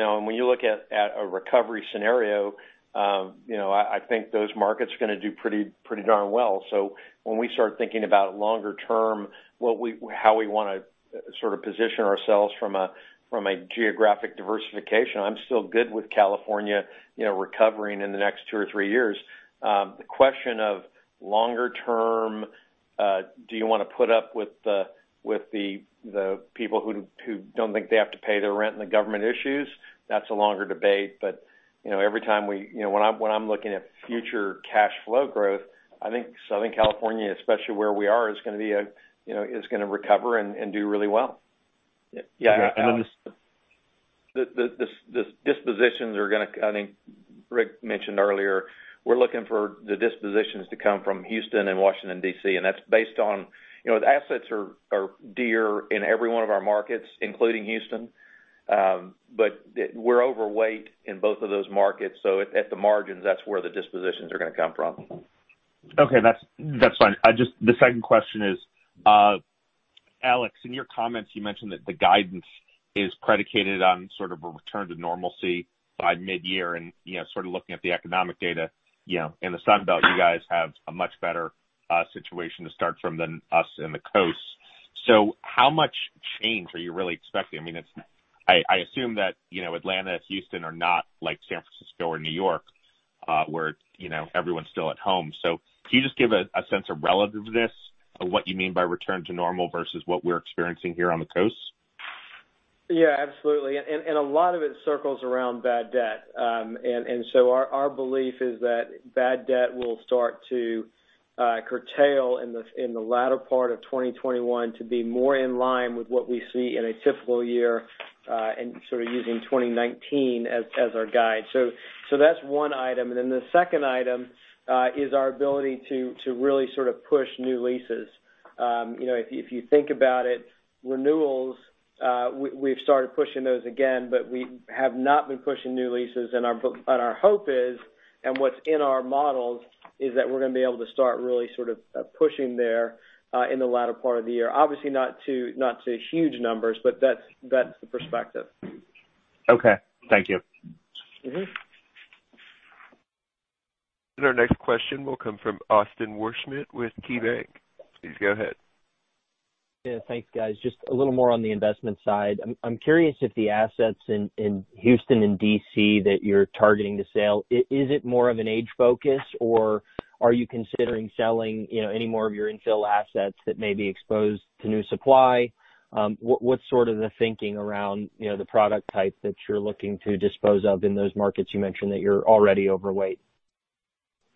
When you look at a recovery scenario, I think those markets are going to do pretty darn well. When we start thinking about longer term, how we want to sort of position ourselves from a geographic diversification, I'm still good with California recovering in the next two or three years. The question of longer term, do you want to put up with the people who don't think they have to pay their rent and the government issues? That's a longer debate. Every time when I'm looking at future cash flow growth, I think Southern California, especially where we are, is going to recover and do really well. Yeah. The dispositions are going to I think Ric mentioned earlier, we're looking for the dispositions to come from Houston and Washington, D.C. That's based on The assets are dear in every one of our markets, including Houston. We're overweight in both of those markets. At the margins, that's where the dispositions are going to come from. Okay. That's fine. The second question is, Alex, in your comments, you mentioned that the guidance is predicated on sort of a return to normalcy by mid-year. Sort of looking at the economic data, in the Sunbelt, you guys have a much better situation to start from than us in the coasts. How much change are you really expecting? I assume that Atlanta, Houston are not like San Francisco or New York, where everyone's still at home. Can you just give a sense of relativeness of what you mean by 'return to normal' versus what we're experiencing here on the Coast? Yeah, absolutely. A lot of it circles around bad debt. Our belief is that bad debt will start to curtail in the latter part of 2021 to be more in line with what we see in a typical year, and sort of using 2019 as our guide. That's one item, and then the second item, is our ability to really sort of push new leases. If you think about it, renewals, we've started pushing those again, but we have not been pushing new leases. Our hope and what's in our models is that we're going to be able to start really sort of pushing there in the latter part of the year. Obviously, not to huge numbers, but that's the perspective. Okay, thank you. Our next question will come from Austin Wurschmidt with KeyBanc. Please go ahead. Yeah. Thanks, guys. Just a little more on the investment side. I'm curious if the assets in Houston and D.C. that you're targeting to sell, is it more of an age focus, or are you considering selling any more of your infill assets that may be exposed to new supply? What's sort of the thinking around the product type that you're looking to dispose of in those markets you mentioned that you're already overweight?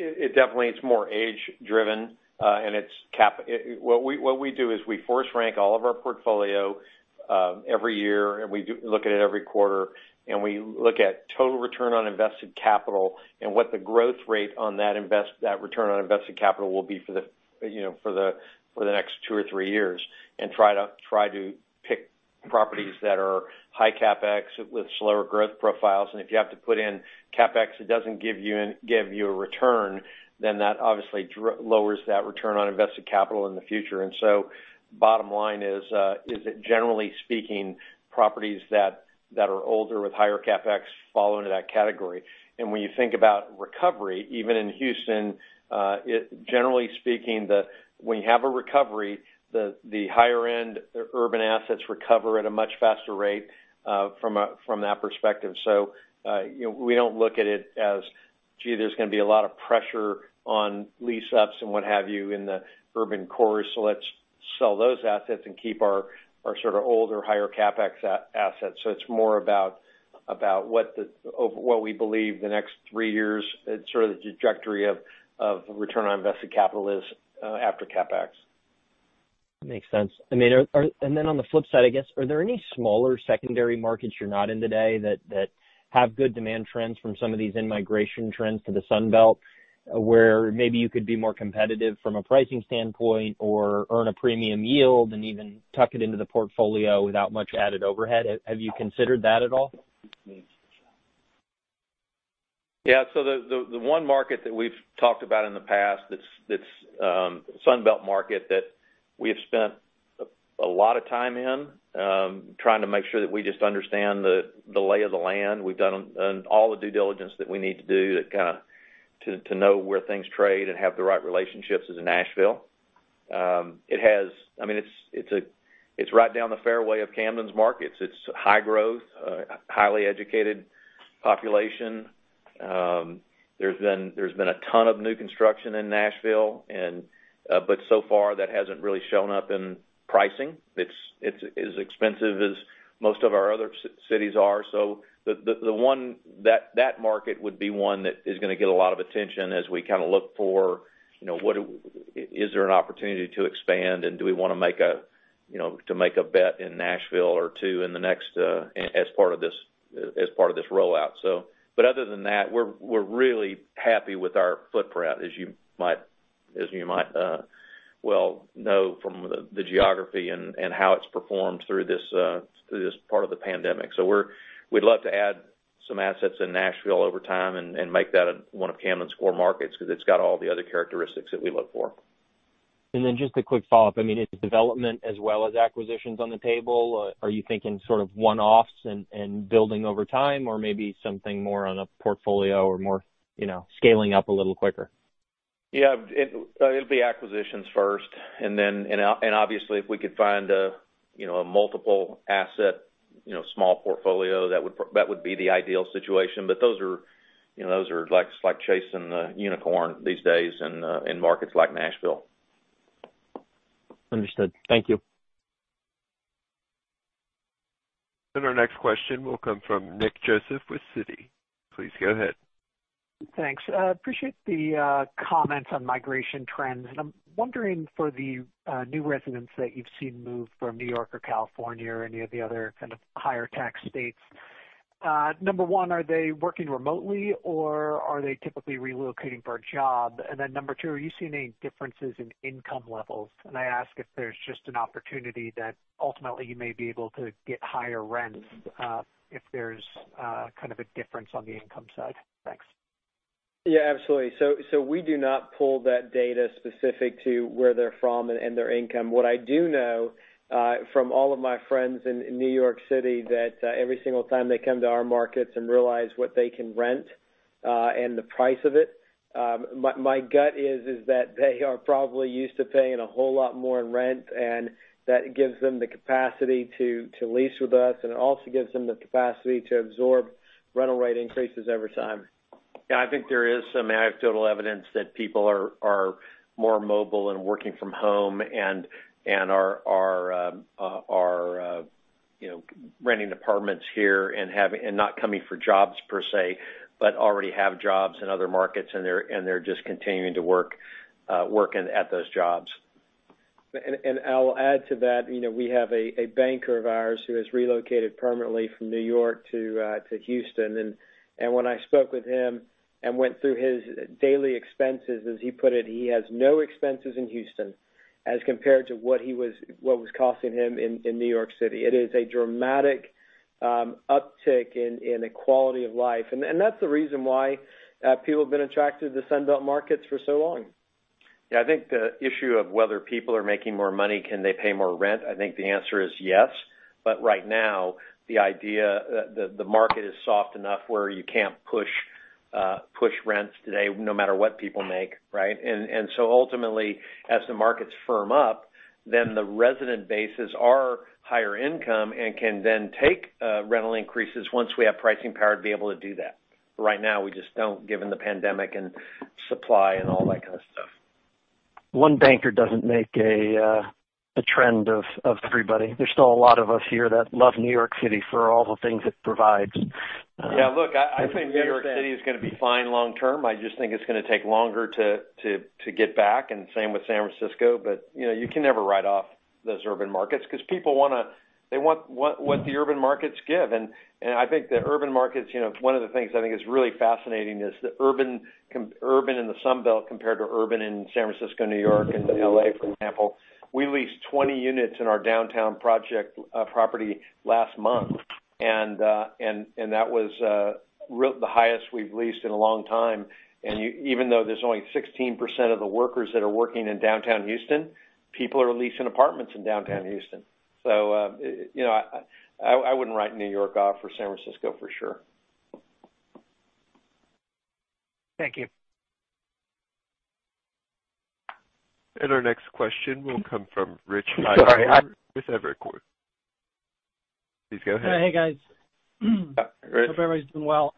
It definitely, it's more age driven. What we do is we force rank all of our portfolio, every year, and we look at it every quarter, and we look at total return on invested capital and what the growth rate on that return on invested capital will be for the next two or three years and try to pick properties that are high CapEx with slower growth profiles. If you have to put in CapEx, it doesn't give you a return, then that obviously lowers that return on invested capital in the future. Bottom line is that generally speaking, properties that are older with higher CapEx fall into that category. When you think about recovery, even in Houston, generally speaking, when you have a recovery, the higher end urban assets recover at a much faster rate, from that perspective. We don't look at it as, "Gee, there's going to be a lot of pressure on lease-ups and what have you in the urban core, so let's sell those assets and keep our sort of older, higher CapEx assets." It's more about what we believe the next three years, sort of the trajectory of return on invested capital is after CapEx. Makes sense. On the flip side, I guess, are there any smaller secondary markets you're not in today that have good demand trends from some of these in-migration trends to the Sunbelt, where maybe you could be more competitive from a pricing standpoint or earn a premium yield and even tuck it into the portfolio without much added overhead? Have you considered that at all? Yeah, the one market that we've talked about in the past that's Sunbelt market that we have spent a lot of time in, trying to make sure that we just understand the lay of the land. We've done all the due diligence that we need to do to kind of know where things trade and have the right relationships, is in Nashville. It's right down the fairway of Camden's markets. It's high growth, highly educated population. There's been a ton of new construction in Nashville, but so far that hasn't really shown up in pricing. It's as expensive as most of our other cities are. That market would be one that is going to get a lot of attention as we kind of look for, is there an opportunity to expand, and do we want to make a bet in Nashville or two as part of this rollout. Other than that, we're really happy with our footprint, as you might well know from the geography and how it's performed through this part of the pandemic. We'd love to add some assets in Nashville over time and make that one of Camden's core markets, because it's got all the other characteristics that we look for. Just a quick follow-up, is development as well as acquisitions on the table? Are you thinking sort of one-offs and building over time, or maybe something more on a portfolio or more scaling up a little quicker? Yeah. It'll be acquisitions first. Obviously, if we could find a multiple asset, small portfolio that would be the ideal situation. Those are like chasing a unicorn these days in markets like Nashville. Understood. Thank you. Our next question will come from Nick Joseph with Citi. Please go ahead. Thanks, appreciate the comments on migration trends. I'm wondering for the new residents that you've seen move from New York or California or any of the other kind of higher tax states, number one, are they working remotely or are they typically relocating for a job? Number two, are you seeing any differences in income levels? I ask if there's just an opportunity that ultimately you may be able to get higher rents, if there's kind of a difference on the income side? Thanks. Yeah, absolutely. We do not pull that data specific to where they're from and their income. What I do know, from all of my friends in New York City, that every single time they come to our markets and realize what they can rent, and the price of it, my gut is that they are probably used to paying a whole lot more in rent, and that gives them the capacity to lease with us, and it also gives them the capacity to absorb rental rate increases every time. Yeah, I think there is some anecdotal evidence that people are more mobile and working from home and are renting apartments here and not coming for jobs per se, but already have jobs in other markets, and they're just continuing to work at those jobs. I'll add to that. We have a banker of ours who has relocated permanently from New York to Houston. When I spoke with him and went through his daily expenses, as he put it, he has no expenses in Houston. As compared to what was costing him in New York City. It is a dramatic uptick in the quality of life. That's the reason why people have been attracted to Sunbelt markets for so long. Yeah, I think the issue of whether people are making more money, can they pay more rent? I think the answer is yes. Right now, the idea that the market is soft enough where you can't push rents today no matter what people make. Right? Ultimately, as the markets firm up, then the resident bases are higher income and can then take rental increases once we have pricing power to be able to do that. Right now, we just don't, given the pandemic and supply and all that kind of stuff. One banker doesn't make a trend of everybody. There's still a lot of us here that love New York City for all the things it provides. Yeah, look, I think New York City is going to be fine long term. I just think it's going to take longer to get back, and same with San Francisco. You can never write off those urban markets because people want what the urban markets give. I think the urban markets, one of the things I think is really fascinating is the urban in the Sunbelt compared to urban in San Francisco, New York, and L.A., for example. We leased 20 units in our downtown project property last month. That was the highest we've leased in a long time. Even though there's only 16% of the workers that are working in downtown Houston, people are leasing apartments in downtown Houston. I wouldn't write New York off or San Francisco, for sure. Thank you. Our next question will come from Rich Hightower with Evercore. Please go ahead. Hey, guys. Hi, Rich. Hope everybody's doing well.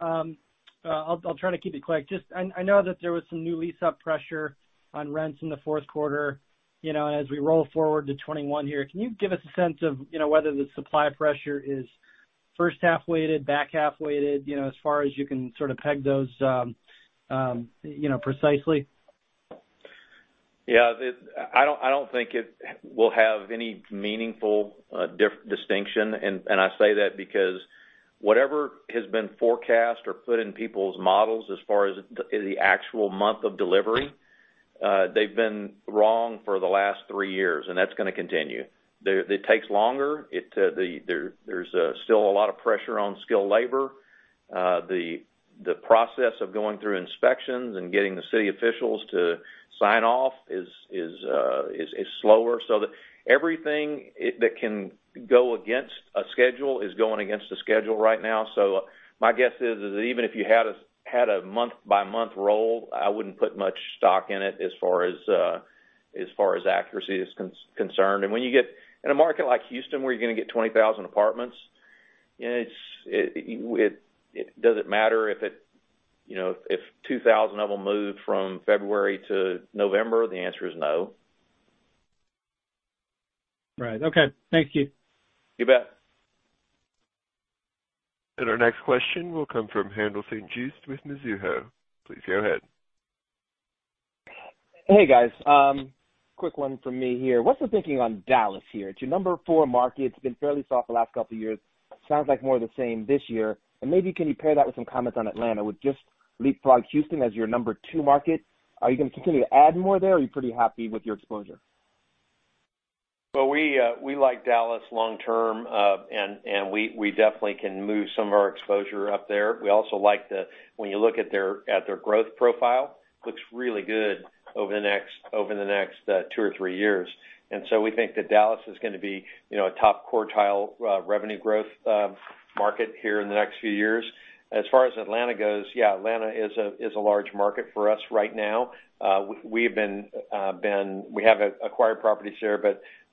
I'll try to keep it quick. I know that there was some new lease-up pressure on rents in the fourth quarter, as we roll forward to 2021 here, can you give us a sense of whether the supply pressure is first half weighted, back half weighted, as far as you can sort of peg those precisely? Yeah, I don't think it will have any meaningful distinction. I say that because whatever has been forecast or put in people's models as far as the actual month of delivery, they've been wrong for the last three years, and that's going to continue. It takes longer. There's still a lot of pressure on skilled labor. The process of going through inspections and getting the city officials to sign off is slower. Everything that can go against a schedule is going against the schedule right now. My guess is that even if you had a month-by-month roll, I wouldn't put much stock in it as far as accuracy is concerned. When you get in a market like Houston, where you're going to get 20,000 apartments, does it matter if 2,000 of them move from February to November? The answer is no. Right. Okay. Thank you. You bet. Our next question will come from Haendel St. Juste with Mizuho. Please go ahead. Hey, guys. Quick one from me here. What's the thinking on Dallas here? It's your number four market. It's been fairly soft the last couple of years. Sounds like more of the same this year. Maybe can you pair that with some comments on Atlanta with just leapfrog Houston as your number two market. Are you going to continue to add more there, or are you pretty happy with your exposure? We like Dallas long term, we definitely can move some of our exposure up there. We also like that when you look at their growth profile, looks really good over the next two or three years. We think that Dallas is going to be a top quartile revenue growth market here in the next few years. As far as Atlanta goes, yeah, Atlanta is a large market for us right now. We have acquired properties there,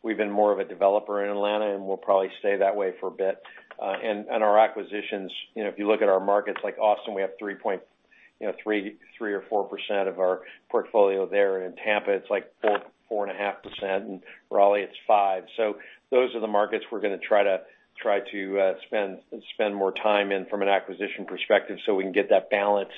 we've been more of a developer in Atlanta, we'll probably stay that way for a bit. Our acquisitions, if you look at our markets like Austin, we have 3% or 4% of our portfolio there. In Tampa, it's like 4.5%, in Raleigh, it's 5%. Those are the markets we're going to try to spend more time in from an acquisition perspective so we can get that balance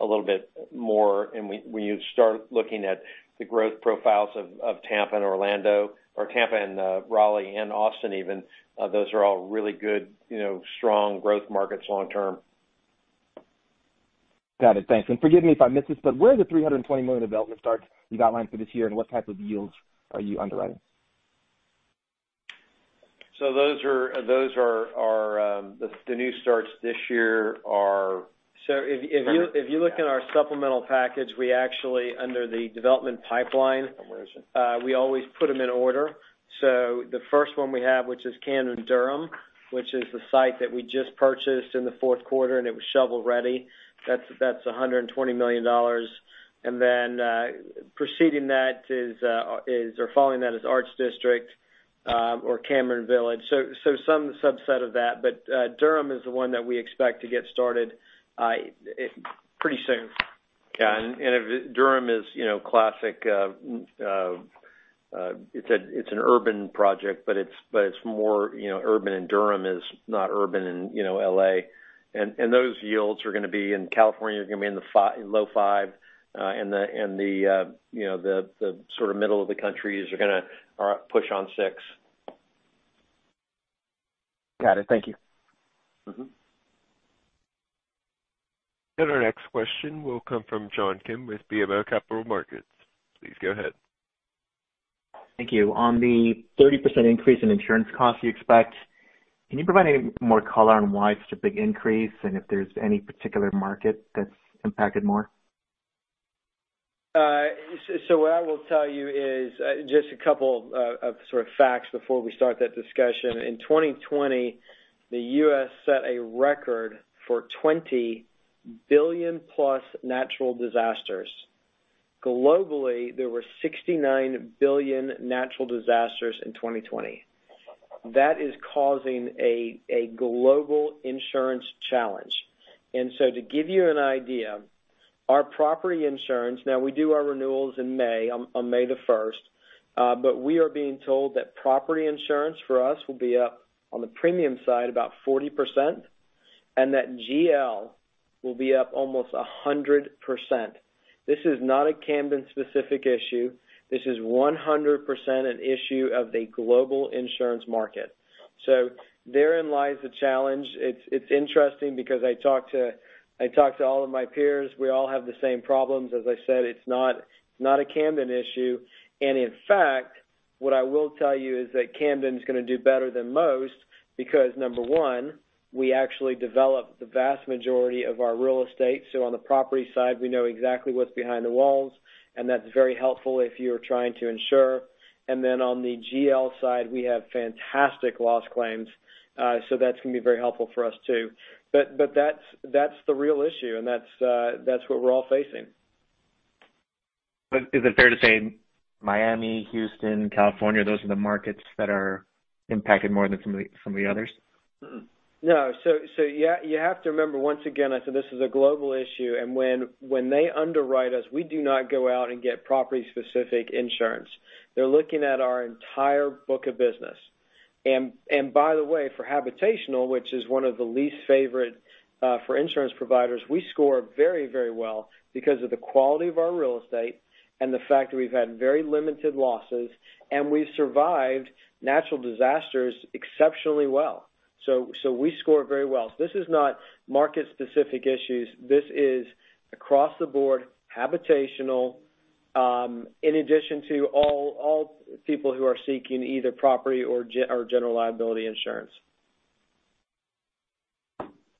a little bit more. When you start looking at the growth profiles of Tampa and Orlando, or Tampa and Raleigh, and Austin even, those are all really good, strong growth markets long term. Got it, thanks. Forgive me if I missed this, but where are the $320 million of development starts you've outlined for this year, and what type of yields are you underwriting? The new starts this year are- If you look in our supplemental package, we actually, under the development pipeline, we always put them in order. The first one we have, which is Camden Durham, which is the site that we just purchased in the fourth quarter, and it was shovel-ready. That's $120 million. Preceding that is, or following that is Arts District or Cameron Village. Some subset of that. Durham is the one that we expect to get started pretty soon. Yeah, Durham is classic. It's an urban project, but it's more urban in Durham is not urban in L.A. Those yields are going to be in California, are going to be in the low 5%, and the sort of middle of the country are going to push on 6%. Got it. Thank you. Next question will come from John Kim with BMO Capital Markets. Please go ahead. Thank you. On the 30% increase in insurance costs you expect, can you provide any more color on why it's such a big increase, and if there's any particular market that's impacted more? What I will tell you is just a couple of sort of facts before we start that discussion. In 2020, the U.S. set a record for $20+ billion natural disasters. Globally, there were $69 billion natural disasters in 2020. That is causing a global insurance challenge. To give you an idea, our property insurance, we do our renewals in May, on May 1st, but we are being told that property insurance for us will be up on the premium side about 40%, and that GL will be up almost 100%. This is not a Camden-specific issue, this is 100% an issue of the global insurance market. Therein lies the challenge. It's interesting because I talk to all of my peers. We all have the same problems. As I said, it's not a Camden issue. In fact, what I will tell you is that Camden's going to do better than most because number one, we actually developed the vast majority of our real estate. On the property side, we know exactly what's behind the walls, and that's very helpful if you're trying to insure. On the GL side, we have fantastic loss claims, so that's going to be very helpful for us too. That's the real issue, and that's what we're all facing. Is it fair to say Miami, Houston, California, those are the markets that are impacted more than some of the others? No. You have to remember, once again, I said this is a global issue, and when they underwrite us, we do not go out and get property-specific insurance. They're looking at our entire book of business. By the way, for habitational, which is one of the least favorite for insurance providers, we score very well because of the quality of our real estate and the fact that we've had very limited losses, and we've survived natural disasters exceptionally well. We score very well. This is not market-specific issues. This is across-the-board habitational, in addition to all people who are seeking either property or general liability insurance.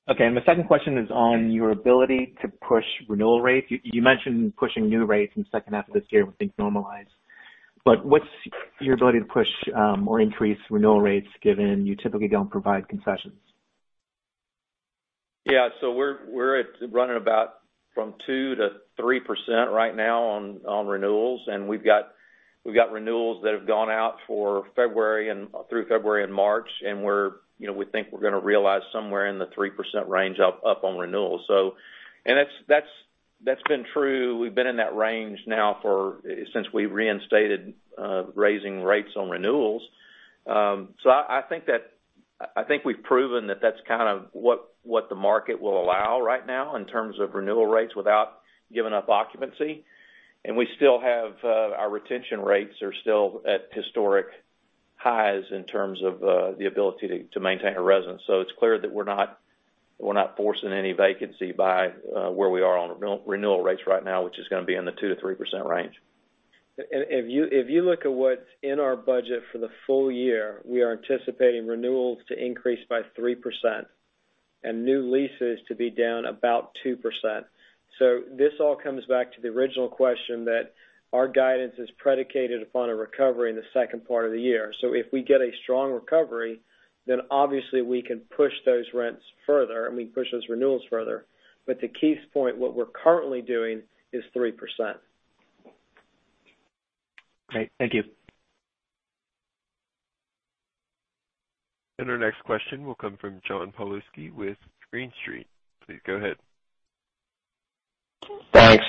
Okay. My second question is on your ability to push renewal rates. You mentioned pushing new rates in the second half of this year once things normalize. What's your ability to push or increase renewal rates given you typically don't provide concessions? Yeah. We're at running about from 2%-3% right now on renewals, and we've got renewals that have gone out through February and March, and we think we're going to realize somewhere in the 3% range up on renewals. That's been true. We've been in that range now since we reinstated raising rates on renewals. I think we've proven that that's kind of what the market will allow right now in terms of renewal rates without giving up occupancy, and our retention rates are still at historic highs in terms of the ability to maintain a residence. It's clear that we're not forcing any vacancy by where we are on renewal rates right now, which is going to be in the 2%-3% range. If you look at what's in our budget for the full-year, we are anticipating renewals to increase by 3% and new leases to be down about 2%. This all comes back to the original question that our guidance is predicated upon a recovery in the second part of the year. If we get a strong recovery, obviously we can push those rents further, we can push those renewals further. To Keith's point, what we're currently doing is 3%. Great. Thank you. Our next question will come from John Pawlowski with Green Street. Please go ahead. Thanks.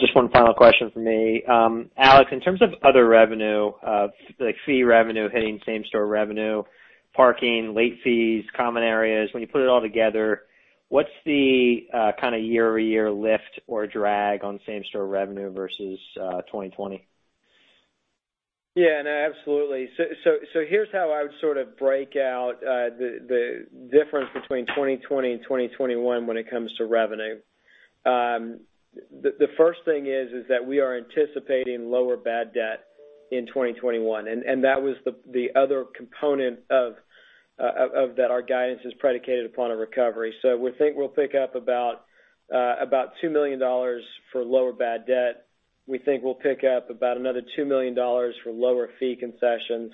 Just one final question from me. Alex, in terms of other revenue, like fee revenue hitting same-store revenue, parking, late fees, common areas, when you put it all together, what's the kind of year-over-year lift or drag on same-store revenue versus 2020? Yeah. No, absolutely. Here's how I would sort of break out the difference between 2020 and 2021 when it comes to revenue. The first thing is that we are anticipating lower bad debt in 2021, and that was the other component of that our guidance is predicated upon a recovery. We think we'll pick up about $2 million for lower bad debt. We think we'll pick up about another $2 million for lower fee concessions.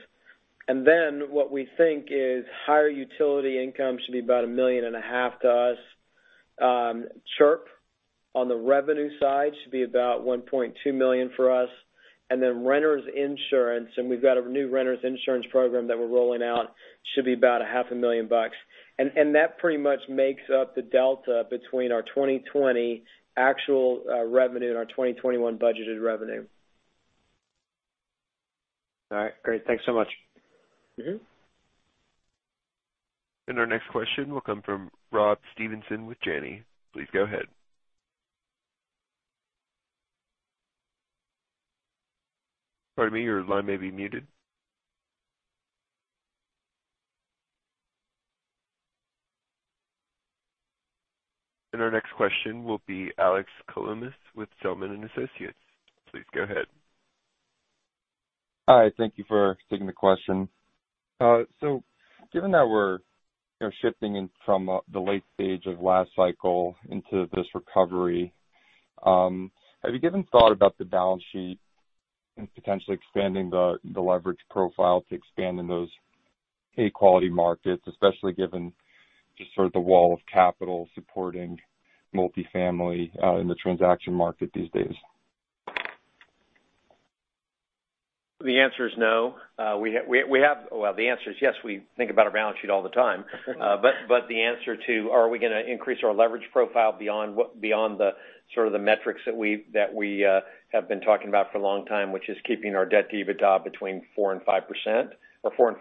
What we think is higher utility income should be about $1.5 million to us. Chirp, on the revenue side should be about $1.2 million for us. Renters insurance, and we've got a new renters insurance program that we're rolling out, should be about $0.5 million. That pretty much makes up the delta between our 2020 actual revenue and our 2021 budgeted revenue. All right. Great, thanks so much. Our next question will come from Rob Stevenson with Janney. Please go ahead. Pardon me, your line may be muted. Our next question will be Alex Kalmus with Zelman & Associates. Please go ahead. Hi, thank you for taking the question. Given that we're shifting in from the late stage of last cycle into this recovery, have you given thought about the balance sheet and potentially expanding the leverage profile to expand in those A quality markets, especially given just sort of the wall of capital supporting multifamily in the transaction market these days? The answer is no. Well, the answer is yes, we think about our balance sheet all the time. The answer to are we going to increase our leverage profile beyond the sort of the metrics that we have been talking about for a long time, which is keeping our debt to EBITDA between 4% and 5% or 4x and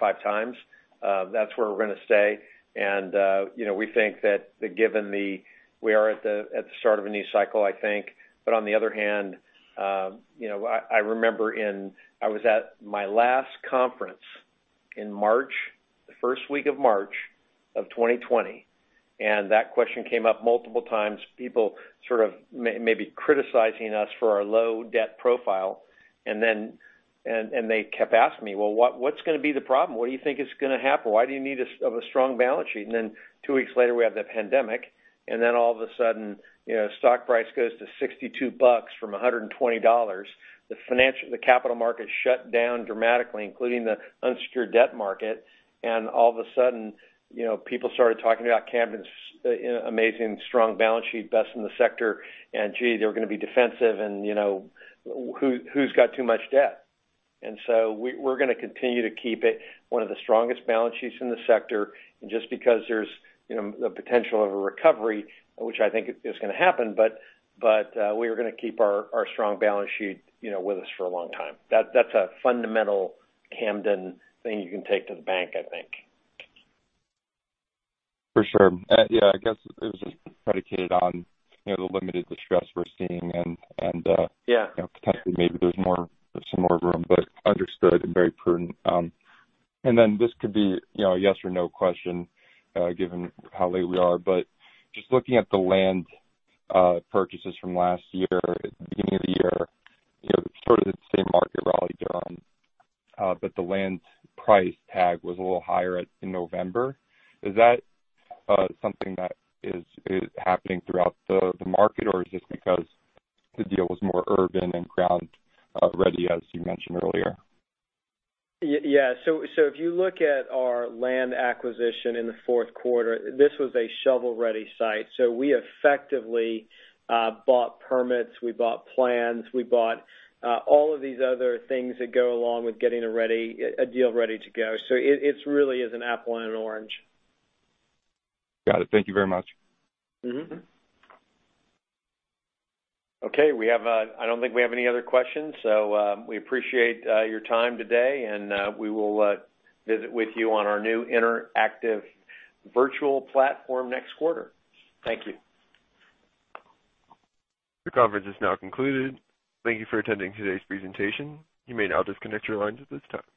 5x. That's where we're going to stay, we think that given we are at the start of a new cycle, I think. On the other hand, I remember I was at my last conference in March, the first week of March of 2020, and that question came up multiple times. People sort of maybe criticizing us for our low debt profile. They kept asking me, "Well, what's going to be the problem? What do you think is going to happen? Why do you need a strong balance sheet? Then two weeks later, we have the pandemic. All of a sudden, stock price goes to $62 from $120. The capital markets shut down dramatically, including the unsecured debt market. All of a sudden, people started talking about Camden's amazing strong balance sheet, best in the sector, and gee, they were going to be defensive and who's got too much debt. So we're going to continue to keep it one of the strongest balance sheets in the sector. Just because there's the potential of a recovery, which I think is going to happen, we are going to keep our strong balance sheet with us for a long time. That's a fundamental Camden thing you can take to the bank, I think. For sure. Yeah, I guess it was just predicated on the limited distress we're seeing and potentially maybe there's some more room, but understood and very prudent. Then this could be a yes or no question, given how late we are, but just looking at the land purchases from last year at the beginning of the year, sort of the same market rally you're on. The land price tag was a little higher in November. Is that something that is happening throughout the market, or is this because the deal was more urban and ground-ready, as you mentioned earlier? Yeah. If you look at our land acquisition in the fourth quarter, this was a shovel-ready site. We effectively bought permits, we bought plans, we bought all of these other things that go along with getting a deal ready to go. It really is an apple and an orange. Got it, thank you very much. Okay, I don't think we have any other questions. We appreciate your time today, and we will visit with you on our new interactive virtual platform next quarter. Thank you. The conference is now concluded. Thank you for attending today's presentation. You may now disconnect your lines at this time.